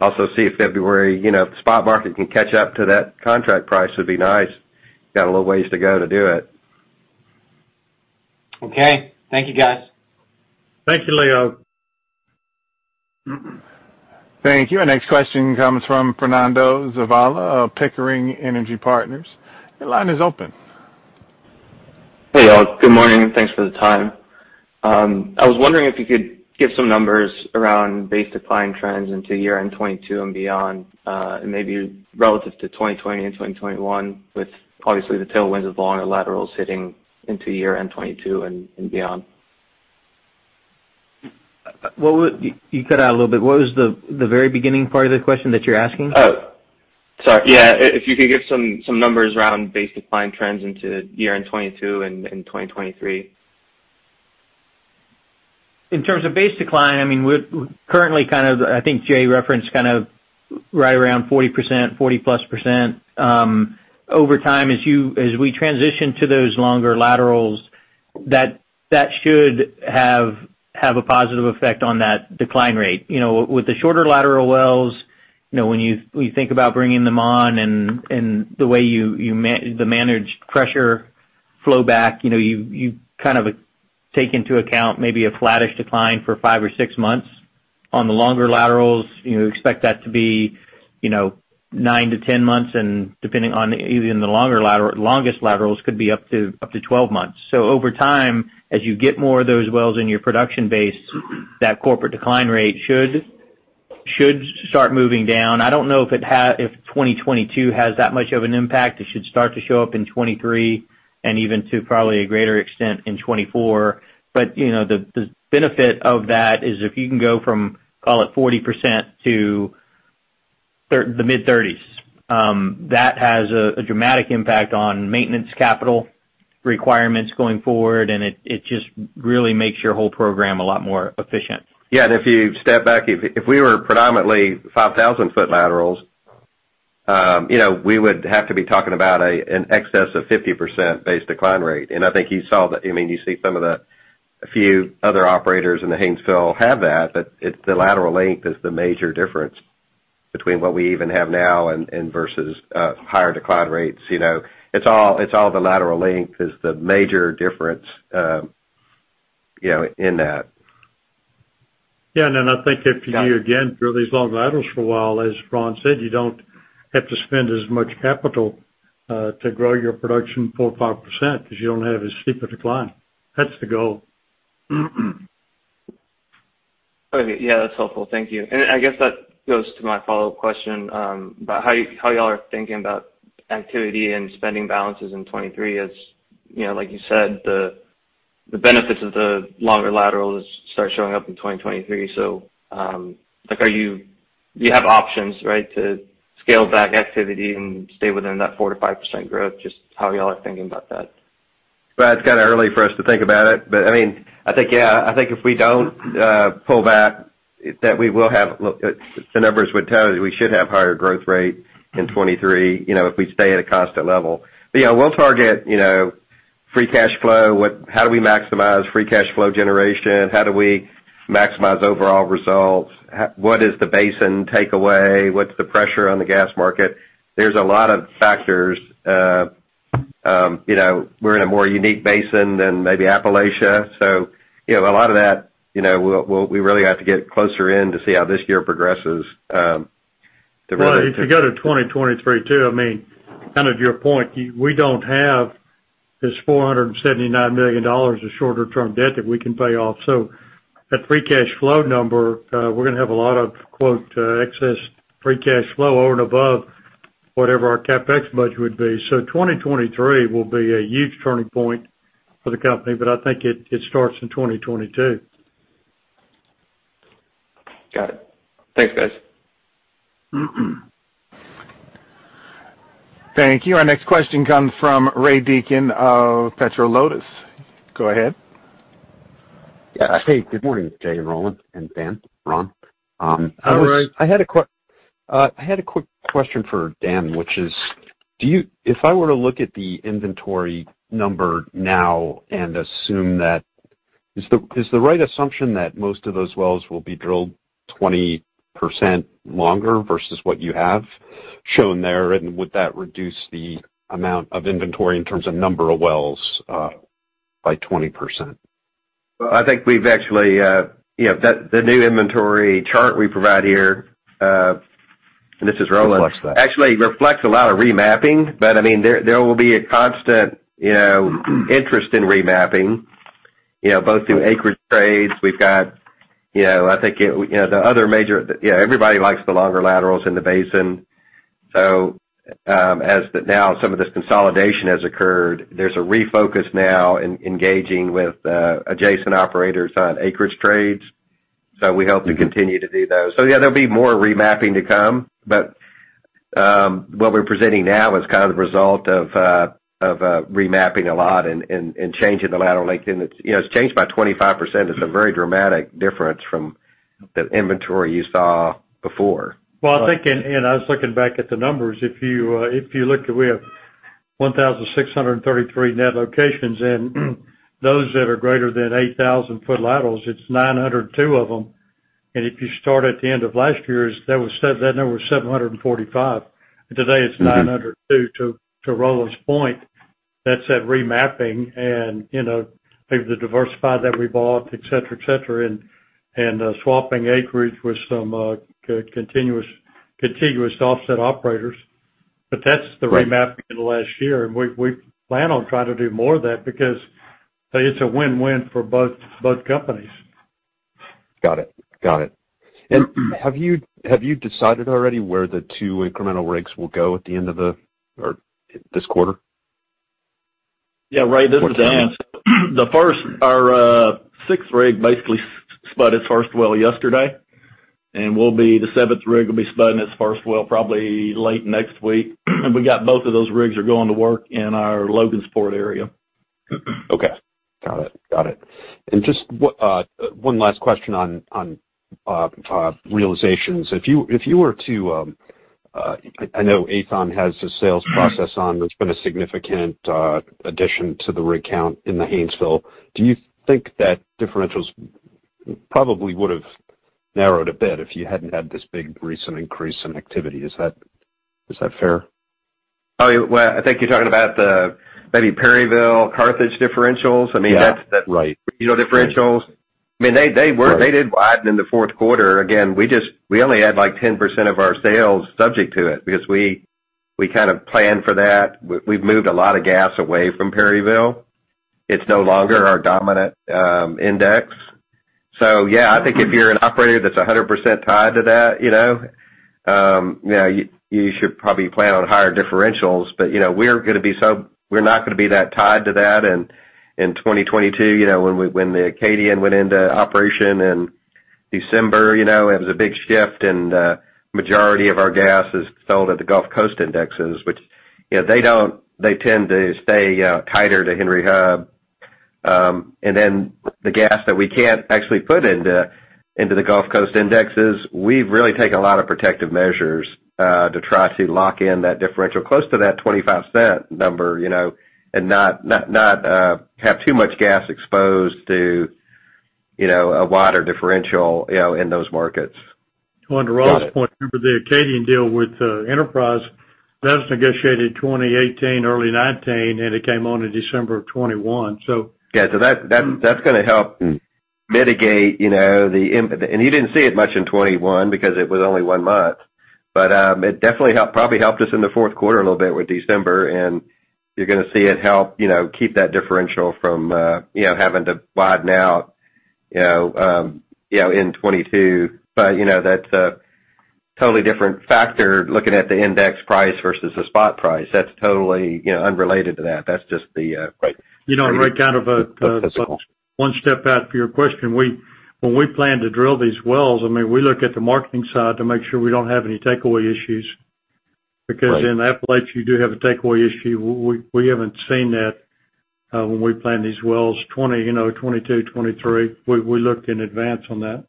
Also see if February, you know, spot market can catch up to that contract price would be nice. Got a little ways to go to do it. Okay. Thank you, guys. Thank you, Leo. Thank you. Next question comes from Fernando Zavala of Pickering Energy Partners. Your line is open. Hey, y'all. Good morning, and thanks for the time. I was wondering if you could give some numbers around base decline trends into year-end 2022 and beyond, and maybe relative to 2020 and 2021, with obviously the tailwinds of longer laterals hitting into year-end 2022 and beyond. You cut out a little bit. What was the very beginning part of the question that you're asking? Oh, sorry. Yeah. If you could give some numbers around base decline trends into year-end 2022 and 2023? In terms of base decline, I mean, we're currently kind of right around 40%, 40%+. Over time, as we transition to those longer laterals, that should have a positive effect on that decline rate. You know, with the shorter lateral wells, you know, when you think about bringing them on and the way you manage the pressure flowback, you know, you kind of take into account maybe a flattish decline for five or six months. On the longer laterals, you know, expect that to be nine to 10 months, and depending on even the longer lateral, longest laterals, could be up to 12 months. Over time, as you get more of those wells in your production base, that corporate decline rate should start moving down. I don't know if 2022 has that much of an impact. It should start to show up in 2023, and even probably to a greater extent in 2024. You know, the benefit of that is if you can go from, call it 40% to the mid-30s, that has a dramatic impact on maintenance capital requirements going forward, and it just really makes your whole program a lot more efficient. Yeah, if you step back, if we were predominantly 5,000- ft laterals, you know, we would have to be talking about an excess of 50% base decline rate. I think you saw the I mean, you see some of the few other operators in the Haynesville have that, but it's the lateral length is the major difference between what we even have now and versus higher decline rates, you know. It's all the lateral length is the major difference, you know, in that. Yeah, I think if you, again, drill these long laterals for a while, as Ron said, you don't have to spend as much capital to grow your production 4%-5% 'cause you don't have as steep a decline. That's the goal. Okay. Yeah, that's helpful. Thank you. I guess that goes to my follow-up question about how you all are thinking about activity and spending balances in 2023 as, you know, like you said, the benefits of the longer laterals start showing up in 2023. Like, do you have options, right, to scale back activity and stay within that 4%-5% growth? Just how y'all are thinking about that. Well, it's kinda early for us to think about it, but I mean, I think, yeah, I think if we don't pull back, that we will have. Look, the numbers would tell you we should have higher growth rate in 2023, you know, if we stay at a constant level. Yeah, we'll target, you know, free cash flow. How do we maximize free cash flow generation? How do we maximize overall results? What is the basin takeaway? What's the pressure on the gas market? There's a lot of factors. You know, we're in a more unique basin than maybe Appalachia, so, you know, a lot of that, you know, we really have to get closer in to see how this year progresses, to really- Well, if you go to 2023 too, I mean, kind of to your point, we don't have this $479 million of shorter term debt that we can pay off. That free cash flow number, we're gonna have a lot of, quote, "excess free cash flow" over and above whatever our CapEx budget would be. 2023 will be a huge turning point for the company, but I think it starts in 2022. Got it. Thanks, guys. Thank you. Our next question comes from Ray Deacon of Petro Lotus. Go ahead. Yeah. Hey, good morning, Jay and Roland and Dan, Ron. Hi, Ray. I had a quick question for Dan, which is, if I were to look at the inventory number now and assume that, is the right assumption that most of those wells will be drilled 20% longer versus what you have shown there? Would that reduce the amount of inventory in terms of number of wells by 20%? Well, I think we've actually, you know, the new inventory chart we provide here. This is Roland. Reflects that. Actually reflects a lot of remapping, but I mean, there will be a constant, you know, interest in remapping, you know, both through acreage trades. We've got, you know, I think, you know, the other major, you know, everybody likes the longer laterals in the basin. As now some of this consolidation has occurred, there's a refocus now in engaging with adjacent operators on acreage trades. We hope to continue to do those. Yeah, there'll be more remapping to come. But what we're presenting now is kind of the result of remapping a lot and changing the lateral length. You know, it's changed by 25%. It's a very dramatic difference from the inventory you saw before. Well, I think I was looking back at the numbers. If you look, we have 1,633 net locations, and those that are greater than 8,000 ft laterals, it's 902 of them. If you start at the end of last year, that number was 745. Today it's 902. To Roland's point, that's the remapping and, you know, maybe the Diversified that we bought, et cetera, and swapping acreage with some contiguous offset operators. But that's the remapping in the last year. We plan on trying to do more of that because it's a win-win for both companies. Got it. Have you decided already where the two incremental rigs will go at the end of or this quarter? Yeah, Ray, this is Dan. Our sixth rig basically spudded its first well yesterday. The seventh rig will be spudding its first well probably late next week. We got both of those rigs are going to work in our Logansport area. Okay. Got it. Just one last question on realizations. If you were to, I know Aethon has the sales process on, there's been a significant addition to the rig count in the Haynesville. Do you think that differentials probably would've narrowed a bit if you hadn't had this big recent increase in activity? Is that fair? Oh, well, I think you're talking about the maybe Perryville Carthage differentials. I mean, that's the. Yeah. Right. You know, differentials. I mean, they were- Right. They did widen in the fourth quarter. Again, we only had, like, 10% of our sales subject to it because we kind of planned for that. We've moved a lot of gas away from Perryville. It's no longer our dominant index. So yeah, I think if you're an operator that's 100% tied to that, you know, you know, you should probably plan on higher differentials. But, you know, we're not gonna be that tied to that in 2022, you know, when the Acadian went into operation in December. You know, it was a big shift, and majority of our gas is sold at the Gulf Coast indexes, which, you know, they tend to stay tighter to Henry Hub. The gas that we can't actually put into the Gulf Coast indexes, we've really taken a lot of protective measures to try to lock in that differential close to that $0.25 number, you know, and not have too much gas exposed to, you know, a wider differential, you know, in those markets. Well, under Roland's point, remember the Acadian deal with Enterprise. That was negotiated 2018, early 2019, and it came on in December 2021. Yeah. That's gonna help mitigate, you know, and you didn't see it much in 2021 because it was only one month. It definitely helped, probably helped us in the fourth quarter a little bit with December, and you're gonna see it help, you know, keep that differential from, you know, having to widen out, you know, in 2022. That's a totally different factor, looking at the index price versus the spot price. That's totally, you know, unrelated to that. That's just the Right. You know, Ray, kind of, one step back for your question. We, when we plan to drill these wells, I mean, we look at the marketing side to make sure we don't have any takeaway issues. Right. Because in the Appalachians, you do have a takeaway issue. We haven't seen that when we plan these wells. 2022, you know, 2023, we look in advance on that.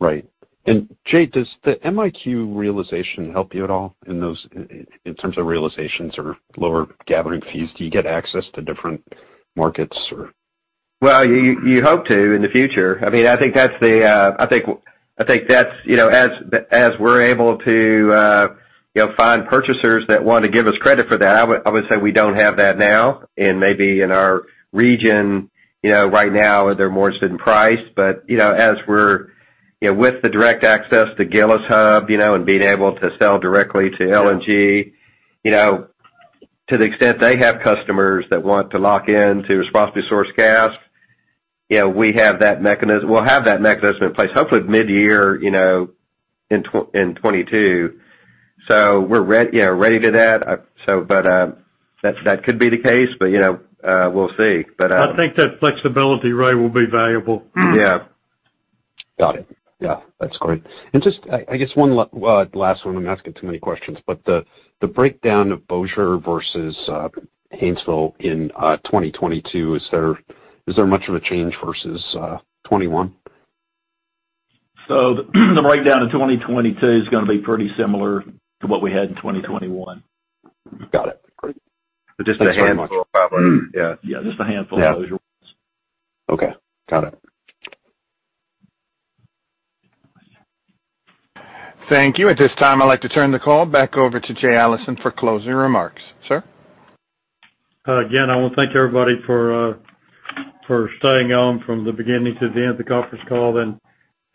Right. Jay, does the MiQ realization help you at all in those, in terms of realizations or lower gathering fees? Do you get access to different markets or? Well, you hope to in the future. I mean, I think that's, you know, as we're able to, you know, find purchasers that want to give us credit for that. I would say we don't have that now. Maybe in our region, you know, right now, they're more interested in price. You know, as we're, you know, with the direct access to Gillis Hub, you know, and being able to sell directly to LNG, you know, to the extent they have customers that want to lock in to responsibly sourced gas. You know, we have that mechanism. We'll have that mechanism in place hopefully mid-year, you know, in 2022. We're ready to that. That could be the case, but, you know, we'll see. I think that flexibility, Ray, will be valuable. Yeah. Got it. Yeah, that's great. Just, I guess one well, last one, I'm asking too many questions. The breakdown of Bossier versus Haynesville in 2022, is there much of a change versus 2021? The breakdown in 2022 is gonna be pretty similar to what we had in 2021. Got it. Great. Just a handful. Yeah, yeah, just a handful of those. Yeah. Okay. Got it. Thank you. At this time, I'd like to turn the call back over to Jay Allison for closing remarks. Sir? Again, I wanna thank everybody for staying on from the beginning to the end of the conference call.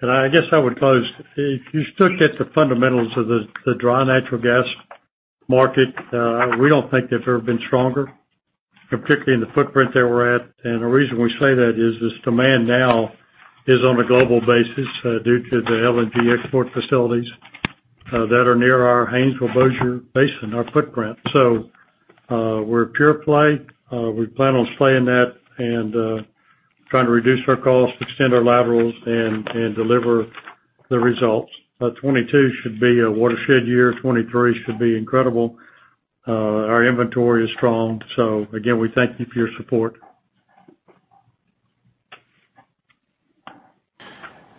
I guess I would close. If you still get the fundamentals of the dry natural gas market, we don't think they've ever been stronger, and particularly in the footprint that we're at. The reason we say that is demand now is on a global basis, due to the LNG export facilities that are near our Haynesville Bossier basin, our footprint. We're pure play. We plan on staying that and trying to reduce our costs, extend our laterals, and deliver the results. 2022 should be a watershed year. 2023 should be incredible. Our inventory is strong. Again, we thank you for your support.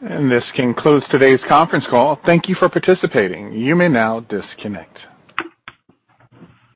This concludes today's conference call. Thank you for participating. You may now disconnect.